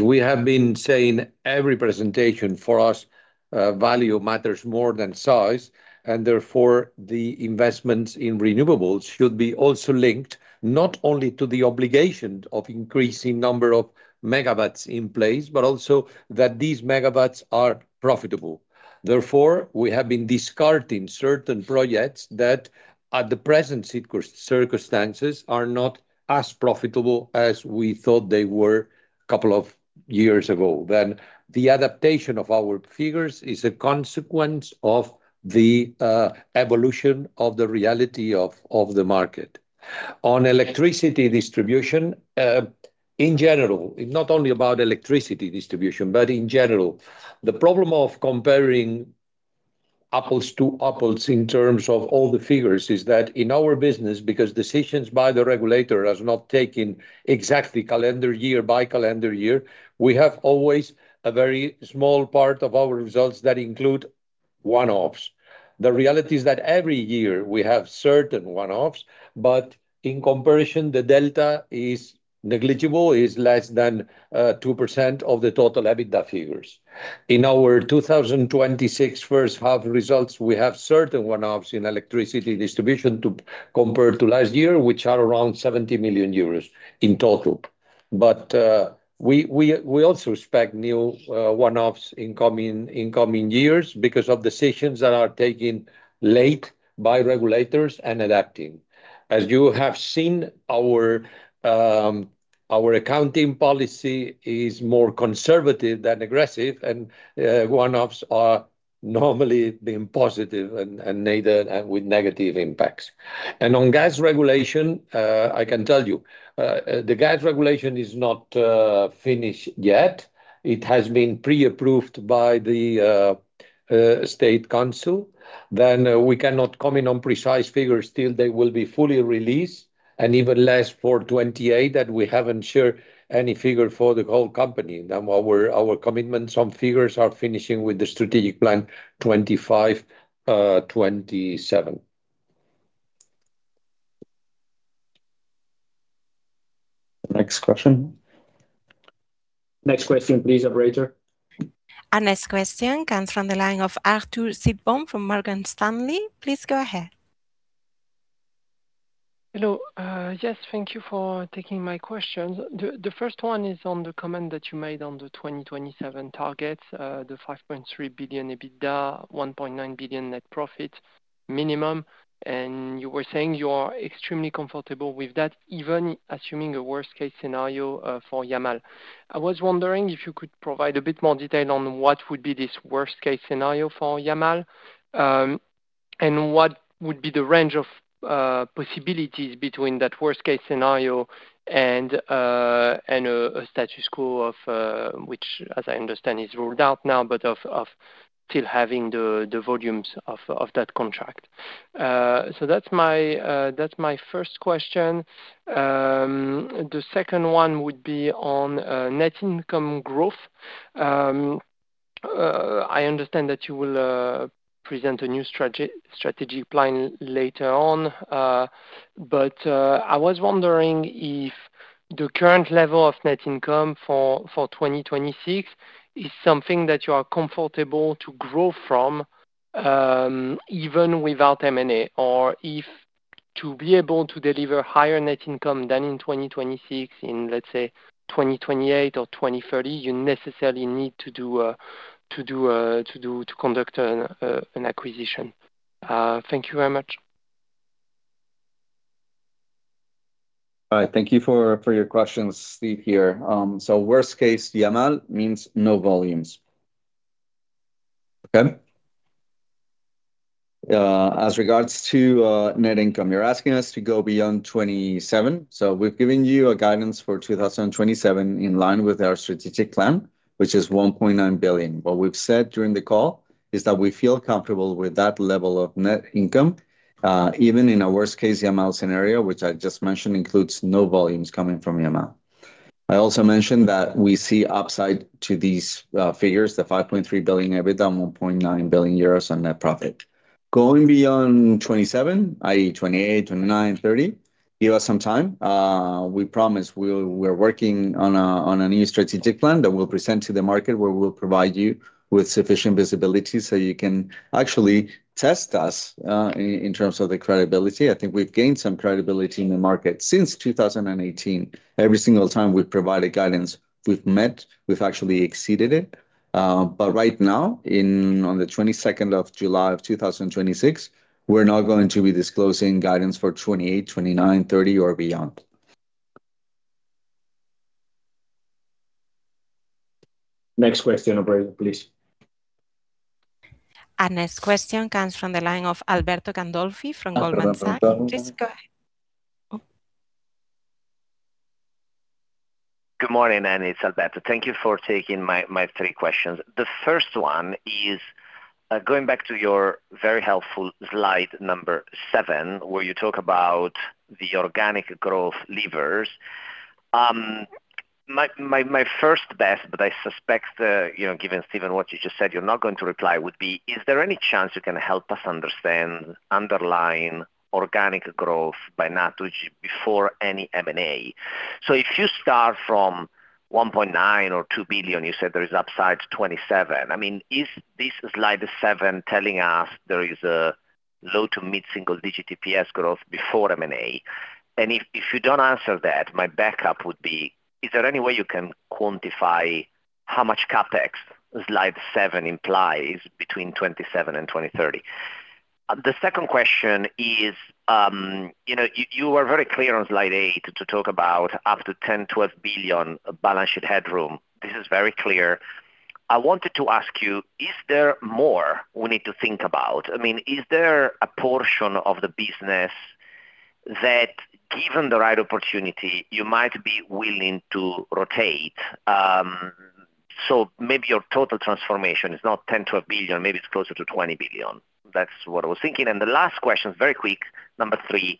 We have been saying, every presentation for us, value matters more than size, therefore, the investments in renewables should be also linked not only to the obligation of increasing number of megawatts in place, but also that these megawatts are profitable. Therefore, we have been discarding certain projects that at the present circumstances are not as profitable as we thought they were a couple of years ago. The adaptation of our figures is a consequence of the evolution of the reality of the market. On electricity distribution, in general, not only about electricity distribution, but in general, the problem of comparing apples to apples in terms of all the figures is that in our business, because decisions by the regulator has not taken exactly calendar year by calendar year, we have always a very small part of our results that include one-offs. The reality is that every year we have certain one-offs, but in comparison, the delta is negligible, is less than 2% of the total EBITDA figures. In our 2026 first half results, we have certain one-offs in electricity distribution compared to last year, which are around 70 million euros in total. We also expect new one-offs in coming years because of decisions that are taken late by regulators and adapting. As you have seen, our accounting policy is more conservative than aggressive, and one-offs are normally being positive and neither with negative impacts. On gas regulation, I can tell you, the gas regulation is not finished yet. It has been pre-approved by the State Council. We cannot comment on precise figures till they will be fully released, and even less for 2028 that we haven't shared any figure for the whole company. Our commitments on figures are finishing with the strategic plan 2025-2027. Next question. Next question, please, operator. Our next question comes from the line of Arthur Sitbon from Morgan Stanley. Please go ahead. Hello. Yes, thank you for taking my questions. The first one is on the comment that you made on the 2027 targets, the 5.3 billion EBITDA, 1.9 billion net profit minimum. You were saying you are extremely comfortable with that, even assuming a worst-case scenario for Yamal. I was wondering if you could provide a bit more detail on what would be this worst-case scenario for Yamal, and what would be the range of possibilities between that worst-case scenario and a status quo of, which as I understand is ruled out now, but of still having the volumes of that contract. That's my first question. The second one would be on net income growth. I understand that you will present a new strategic plan later on, I was wondering if the current level of net income for 2026 is something that you are comfortable to grow from, even without M&A, or if to be able to deliver higher net income than in 2026 in, let's say 2028 or 2030, you necessarily need to conduct an acquisition. Thank you very much. Thank you for your questions. Steve here. Worst case, Yamal means no volumes. Okay. As regards to net income, you're asking us to go beyond 2027. We've given you a guidance for 2027 in line with our strategic plan, which is 1.9 billion. What we've said during the call is that we feel comfortable with that level of net income, even in a worst-case Yamal scenario, which I just mentioned includes no volumes coming from Yamal. I also mentioned that we see upside to these figures, the 5.3 billion EBITDA, 1.9 billion euros on net profit. Going beyond 2027, i.e. 2028, 2029, 2030, give us some time. We promise we're working on a new strategic plan that we'll present to the market, where we will provide you with sufficient visibility so you can actually test us in terms of the credibility. I think we've gained some credibility in the market since 2018. Every single time we've provided guidance, we've met, we've actually exceeded it. Right now, on the 22nd of July of 2026, we're not going to be disclosing guidance for 2028, 2029, 2030, or beyond. Next question, operator, please. Our next question comes from the line of Alberto Gandolfi from Goldman Sachs. Please go ahead. Good morning. It's Alberto. Thank you for taking my three questions. Going back to your very helpful slide seven, where you talk about the organic growth levers. My first bet, but I suspect, given, Steven, what you just said, you're not going to reply, would be, is there any chance you can help us understand underlying organic growth by Naturgy before any M&A? If you start from 1.9 billion or 2 billion, you said there is upside to 2027. Is slide seven telling us there is a low to mid-single-digit EPS growth before M&A? If you don't answer that, my backup would be, is there any way you can quantify how much CapEx slide seven implies between 2027 and 2030? You were very clear on slide eight to talk about up to 10 billion-12 billion balance sheet headroom. This is very clear. I wanted to ask you, is there more we need to think about? Is there a portion of the business that, given the right opportunity, you might be willing to rotate? Maybe your total transformation is not 10 billion, maybe it's closer to 20 billion. That's what I was thinking. The last question, very quick, number three.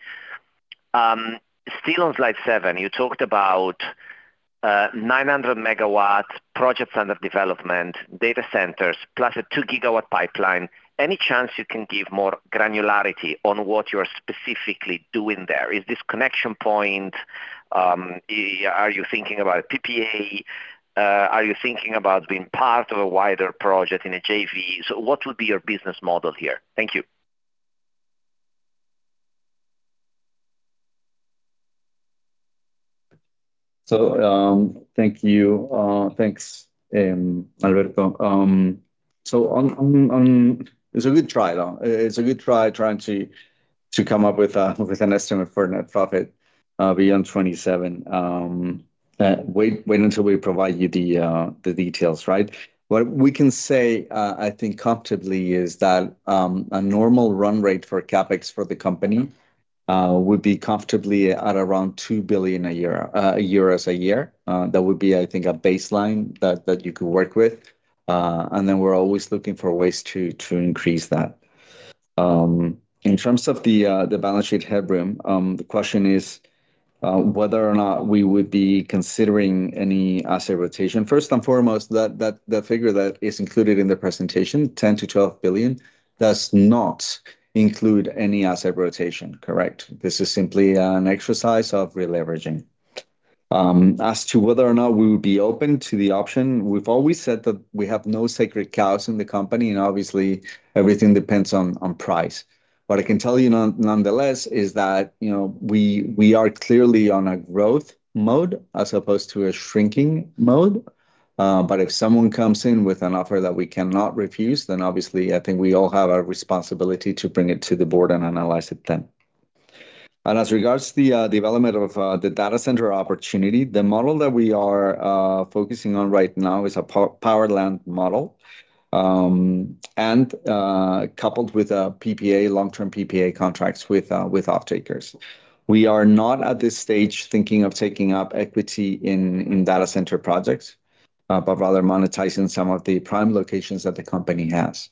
Still on slide seven, you talked about 900 MW projects under development, data centers, plus a 2 GW pipeline. Any chance you can give more granularity on what you're specifically doing there? Is this connection point? Are you thinking about PPA? Are you thinking about being part of a wider project in a JV? What would be your business model here? Thank you. Thank you. Thanks, Alberto. It's a good try, though. It's a good try trying to come up with an estimate for net profit beyond 2027. Wait until we provide you the details, right? We can say, I think comfortably is that a normal run rate for CapEx for the company would be comfortably at around 2 billion a year. That would be, I think, a baseline that you could work with. We're always looking for ways to increase that. In terms of the balance sheet headroom, the question is whether or not we would be considering any asset rotation. First and foremost, the figure that is included in the presentation, 10 billion-12 billion, does not include any asset rotation. Correct? This is simply an exercise of re-leveraging. As to whether or not we would be open to the option, we've always said that we have no sacred cows in the company, and obviously, everything depends on price. What I can tell you, nonetheless, is that we are clearly on a growth mode as opposed to a shrinking mode. If someone comes in with an offer that we cannot refuse, then obviously, I think we all have a responsibility to bring it to the board and analyze it then. As regards to the development of the data center opportunity, the model that we are focusing on right now is a power land model, and coupled with a PPA, long-term PPA contracts with off-takers. We are not, at this stage, thinking of taking up equity in data center projects, but rather monetizing some of the prime locations that the company has.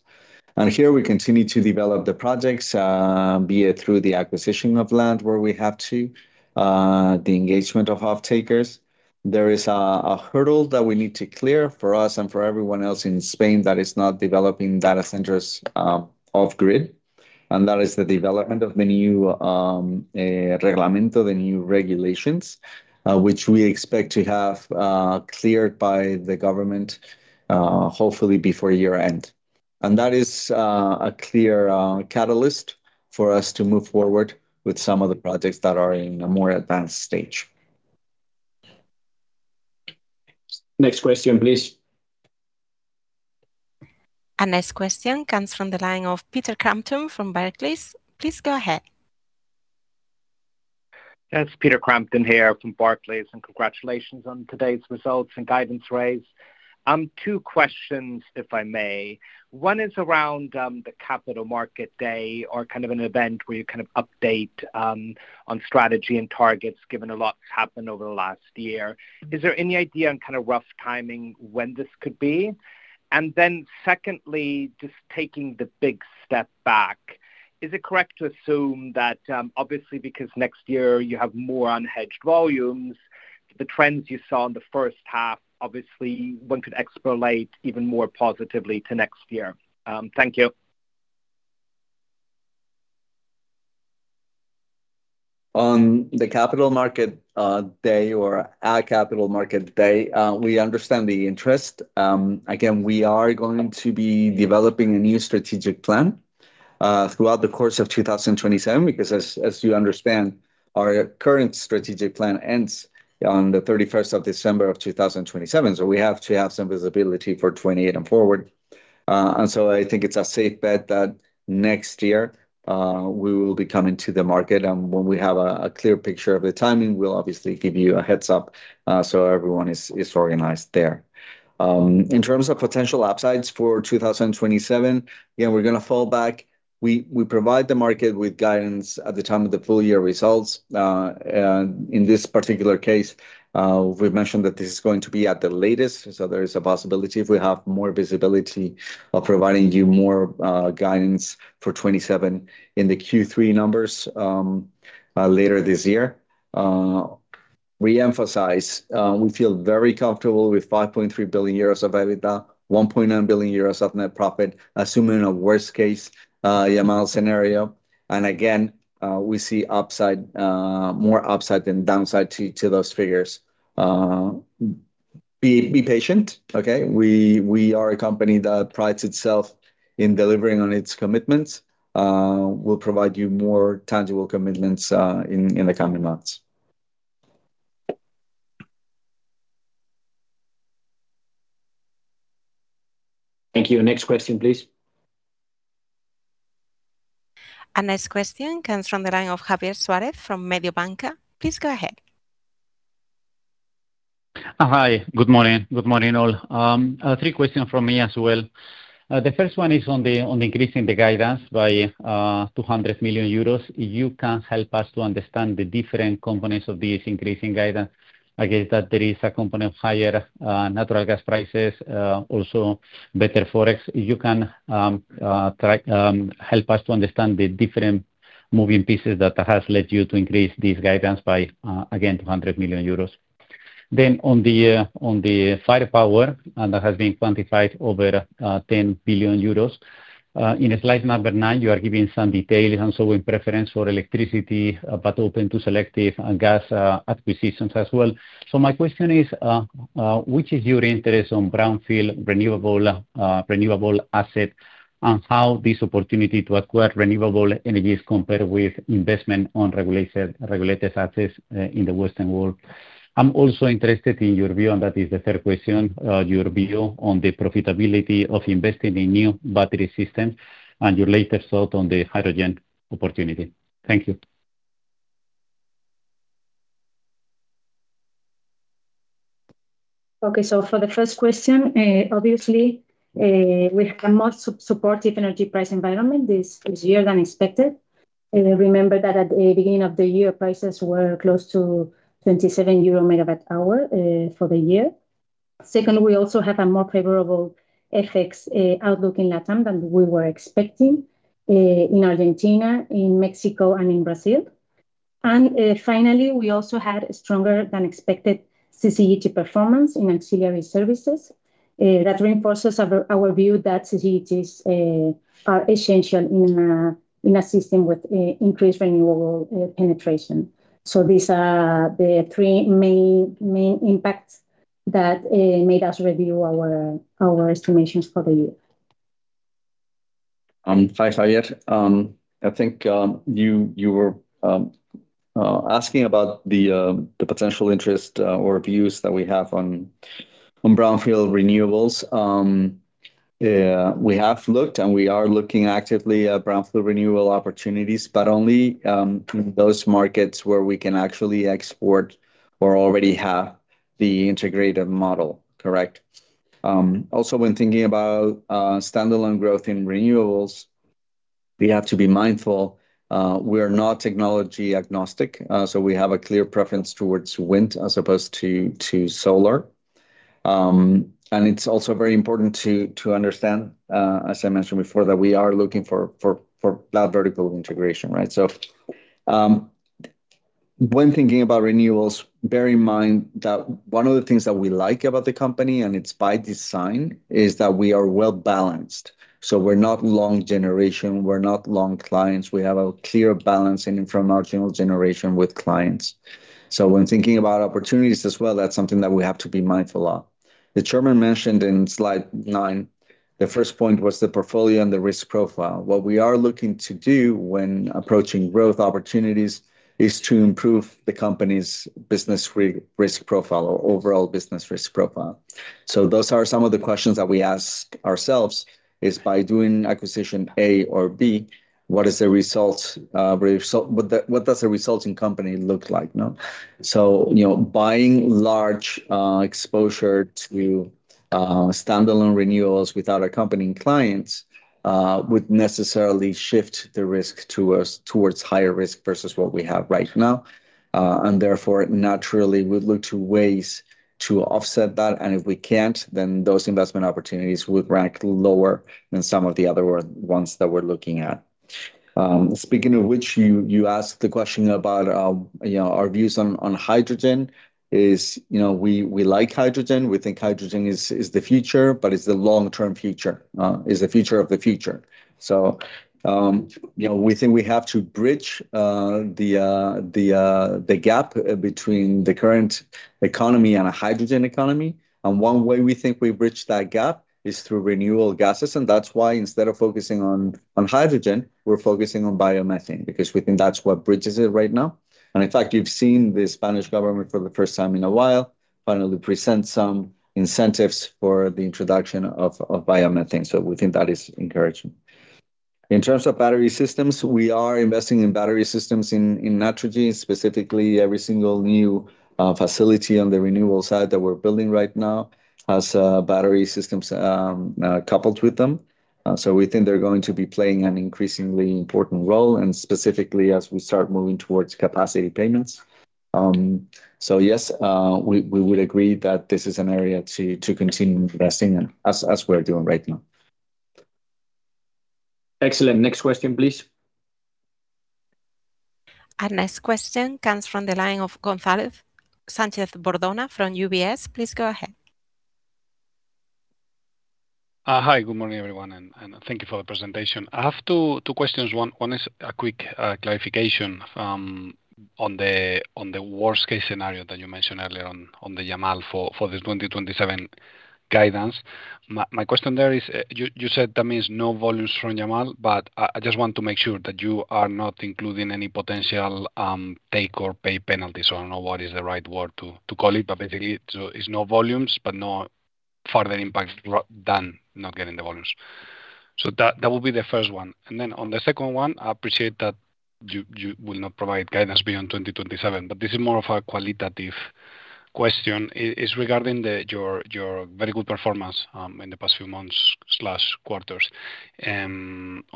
Here we continue to develop the projects, be it through the acquisition of land where we have to, the engagement of off-takers. There is a hurdle that we need to clear for us and for everyone else in Spain that is not developing data centers off grid, and that is the development of the new reglamento, the new regulations, which we expect to have cleared by the government, hopefully before year-end. That is a clear catalyst for us to move forward with some of the projects that are in a more advanced stage. Next question, please. Our next question comes from the line of Peter Crampton from Barclays. Please go ahead. It is Peter Crampton here from Barclays. Congratulations on today's results and guidance raise. Two questions, if I may. One is around the Capital Market Day or kind of an event where you kind of update on strategy and targets, given a lot has happened over the last year. Is there any idea on kind of rough timing when this could be? Secondly, just taking the big step back, is it correct to assume that, obviously because next year you have more unhedged volumes, the trends you saw in the first half, obviously one could extrapolate even more positively to next year. Thank you. On the Capital Market Day or our Capital Market Day, we understand the interest. Again, we are going to be developing a new strategic plan throughout the course of 2027, because, as you understand, our current strategic plan ends on the 31st of December of 2027. We have to have some visibility for 2028 and forward. I think it is a safe bet that next year we will be coming to the market, and when we have a clear picture of the timing, we will obviously give you a heads up so everyone is organized there. In terms of potential upsides for 2027, We provide the market with guidance at the time of the full year results. In this particular case, we have mentioned that this is going to be at the latest, so there is a possibility if we have more visibility of providing you more guidance for 2027 in the Q3 numbers later this year. We emphasize, we feel very comfortable with 5.3 billion euros of EBITDA, 1.9 billion euros of net profit, assuming a worst case Yamal scenario. And again, we see more upside than downside to those figures. Be patient, okay. We are a company that prides itself in delivering on its commitments. We will provide you more tangible commitments in the coming months. Thank you. Next question, please. Our next question comes from the line of Javier Suárez from Mediobanca. Please go ahead. Hi. Good morning. Good morning all. Three questions from me as well. The first one is on increasing the guidance by 200 million euros. You can help us to understand the different components of this increasing guidance. I guess that there is a component of higher natural gas prices, also better FX. You can help us to understand the different moving pieces that has led you to increase this guidance by, again, 200 million euros. On the firepower, that has been quantified over 10 billion euros. In slide number nine, you are giving some details in preference for electricity, but open to selective gas acquisitions as well. My question is, which is your interest on brownfield renewable asset, and how this opportunity to acquire renewable energies compare with investment on regulated assets in the western world? I'm also interested in your view, that is the third question, your view on the profitability of investing in new battery systems and your latest thought on the hydrogen opportunity. Thank you. Okay. For the first question, obviously, we have a more supportive energy price environment this year than expected. Remember that at the beginning of the year, prices were close to 27 euro per megawatt-hour for the year. Second, we also have a more favorable FX outlook in LATAM than we were expecting, in Argentina, in Mexico and in Brazil. Finally, we also had stronger than expected CCGT performance in auxiliary services. That reinforces our view that CCGTs are essential in assisting with increased renewable penetration. These are the three main impacts that made us review our estimations for the year. Hi, Javier. I think you were asking about the potential interest or views that we have on brownfield renewables. We have looked, and we are looking actively at brownfield renewal opportunities, but only those markets where we can actually export or already have the integrated model. Correct. Also, when thinking about standalone growth in renewables, we have to be mindful. We are not technology agnostic, so we have a clear preference towards wind as opposed to solar. It's also very important to understand, as I mentioned before, that we are looking for that vertical integration, right? When thinking about renewals, bear in mind that one of the things that we like about the company, and it's by design, is that we are well balanced. We're not long generation, we're not long clients. We have a clear balance in marginal generation with clients. When thinking about opportunities as well, that's something that we have to be mindful of. The chairman mentioned in slide nine, the first point was the portfolio and the risk profile. What we are looking to do when approaching growth opportunities is to improve the company's business risk profile or overall business risk profile. Those are some of the questions that we ask ourselves, is by doing acquisition A or B, what does the resulting company look like? Buying large exposure to standalone renewals without accompanying clients would necessarily shift the risk towards higher risk versus what we have right now. Therefore, naturally, we'd look to ways to offset that, and if we can't, then those investment opportunities would rank lower than some of the other ones that we're looking at. Speaking of which, you asked the question about our views on hydrogen. We like hydrogen. We think hydrogen is the future, it's the long-term future. It's the future of the future. We think we have to bridge the gap between the current economy and a hydrogen economy, one way we think we bridge that gap is through renewable gases, that's why instead of focusing on hydrogen, we're focusing on biomethane, because we think that's what bridges it right now. In fact, you've seen the Spanish government, for the first time in a while, finally present some incentives for the introduction of biomethane. We think that is encouraging. In terms of battery systems, we are investing in battery systems in Naturgy, specifically every single new facility on the renewable side that we're building right now has battery systems coupled with them. We think they're going to be playing an increasingly important role, specifically as we start moving towards capacity payments. Yes, we would agree that this is an area to continue investing in, as we're doing right now. Excellent. Next question, please. Our next question comes from the line of Gonzalo Sánchez-Bordona from UBS. Please go ahead. Good morning everyone, thank you for the presentation. I have two questions. One is a quick clarification on the worst-case scenario that you mentioned earlier on the Yamal for the 2027 guidance. My question there is, you said that means no volumes from Yamal, I just want to make sure that you are not including any potential take-or-pay penalties, or I don't know what is the right word to call it. Basically, it's no volumes, but no further impacts than not getting the volumes. That would be the first one. On the second one, I appreciate that you will not provide guidance beyond 2027, this is more of a qualitative question. It's regarding your very good performance in the past few months/quarters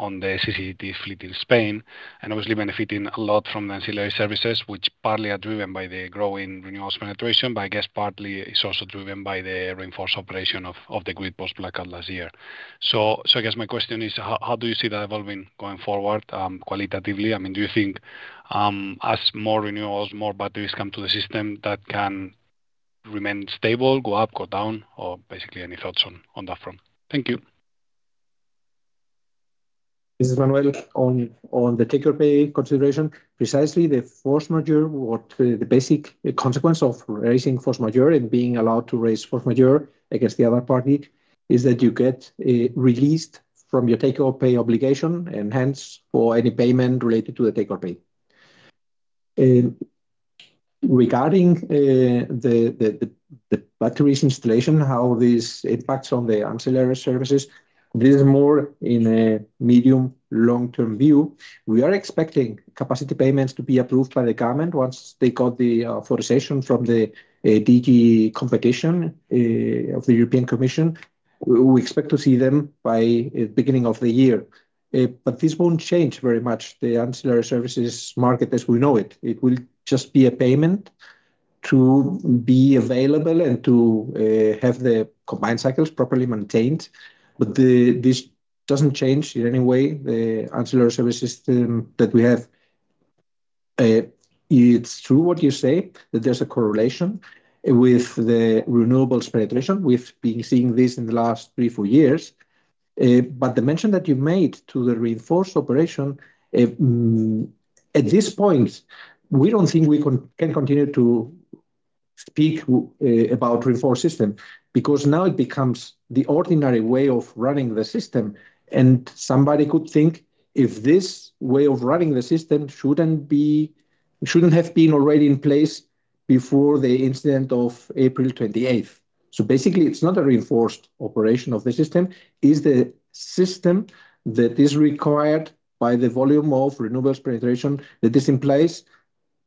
on the CCGT fleet in Spain, obviously benefiting a lot from ancillary services, which partly are driven by the growing renewables penetration. I guess partly it's also driven by the reinforced operation of the grid post-blackout last year. I guess my question is, how do you see that evolving going forward qualitatively? Do you think, as more renewables, more batteries come to the system, that can remain stable, go up, go down, or basically any thoughts on that front? Thank you. This is Manuel. On the take-or-pay consideration, precisely the force majeure, or the basic consequence of raising force majeure and being allowed to raise force majeure against the other party, is that you get released from your take-or-pay obligation, and hence for any payment related to the take-or-pay. Regarding the batteries installation, how this impacts on the ancillary services, this is more in a medium, long-term view. We are expecting capacity payments to be approved by the government once they got the authorization from the DG Competition of the European Commission. We expect to see them by the beginning of the year. This won't change very much the ancillary services market as we know it. It will just be a payment to be available and to have the combined cycles properly maintained. This doesn't change in any way the ancillary service system that we have. It's true what you say, that there's a correlation with the renewables penetration. We've been seeing this in the last three, four years. The mention that you made to the reinforced operation, at this point, we don't think we can continue to speak about reinforced system, because now it becomes the ordinary way of running the system. Somebody could think if this way of running the system shouldn't have been already in place before the incident of April 28th. Basically, it's not a reinforced operation of the system. It's the system that is required by the volume of renewables penetration that is in place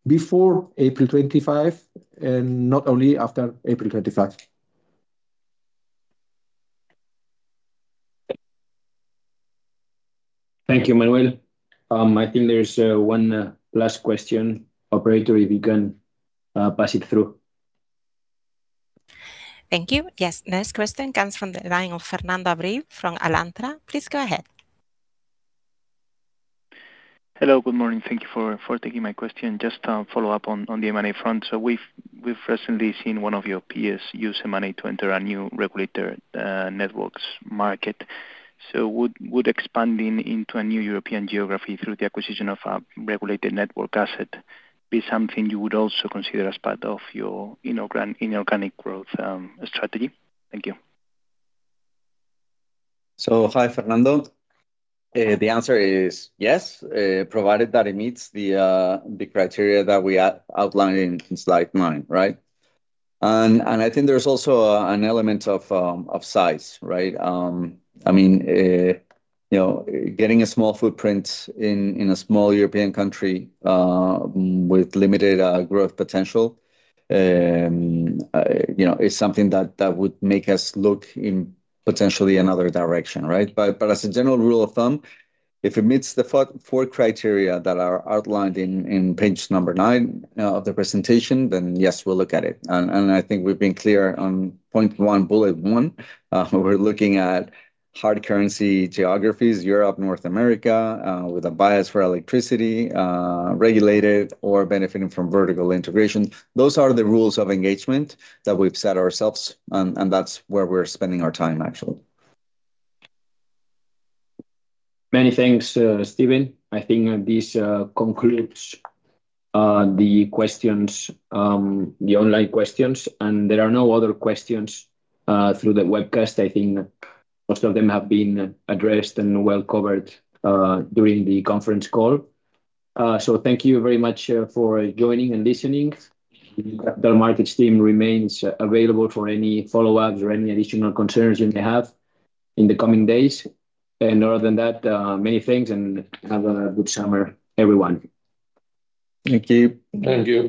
before April 25, and not only after April 25. Thank you, Manuel. I think there's one last question. Operator, if you can pass it through. Thank you. Yes. Next question comes from the line of Fernando Abril from Alantra. Please go ahead. Hello, good morning. Thank you for taking my question. Just to follow up on the M&A front. We've recently seen one of your peers use M&A to enter a new regulated networks market. Would expanding into a new European geography through the acquisition of a regulated network asset be something you would also consider as part of your inorganic growth strategy? Thank you. Hi, Fernando. The answer is yes, provided that it meets the criteria that we outlined in slide nine, right? I think there's also an element of size, right? Getting a small footprint in a small European country with limited growth potential is something that would make us look in potentially another direction, right? As a general rule of thumb, if it meets the four criteria that are outlined in page number nine of the presentation, yes, we'll look at it. I think we've been clear on point one, bullet one. We're looking at hard currency geographies, Europe, North America, with a bias for electricity, regulated or benefiting from vertical integration. Those are the rules of engagement that we've set ourselves, and that's where we're spending our time, actually. Many thanks, Steven. I think this concludes the online questions. There are no other questions through the webcast. I think most of them have been addressed and well covered during the conference call. Thank you very much for joining and listening. The markets team remains available for any follow-ups or any additional concerns you may have in the coming days. Other than that, many thanks, and have a good summer, everyone. Thank you. Thank you.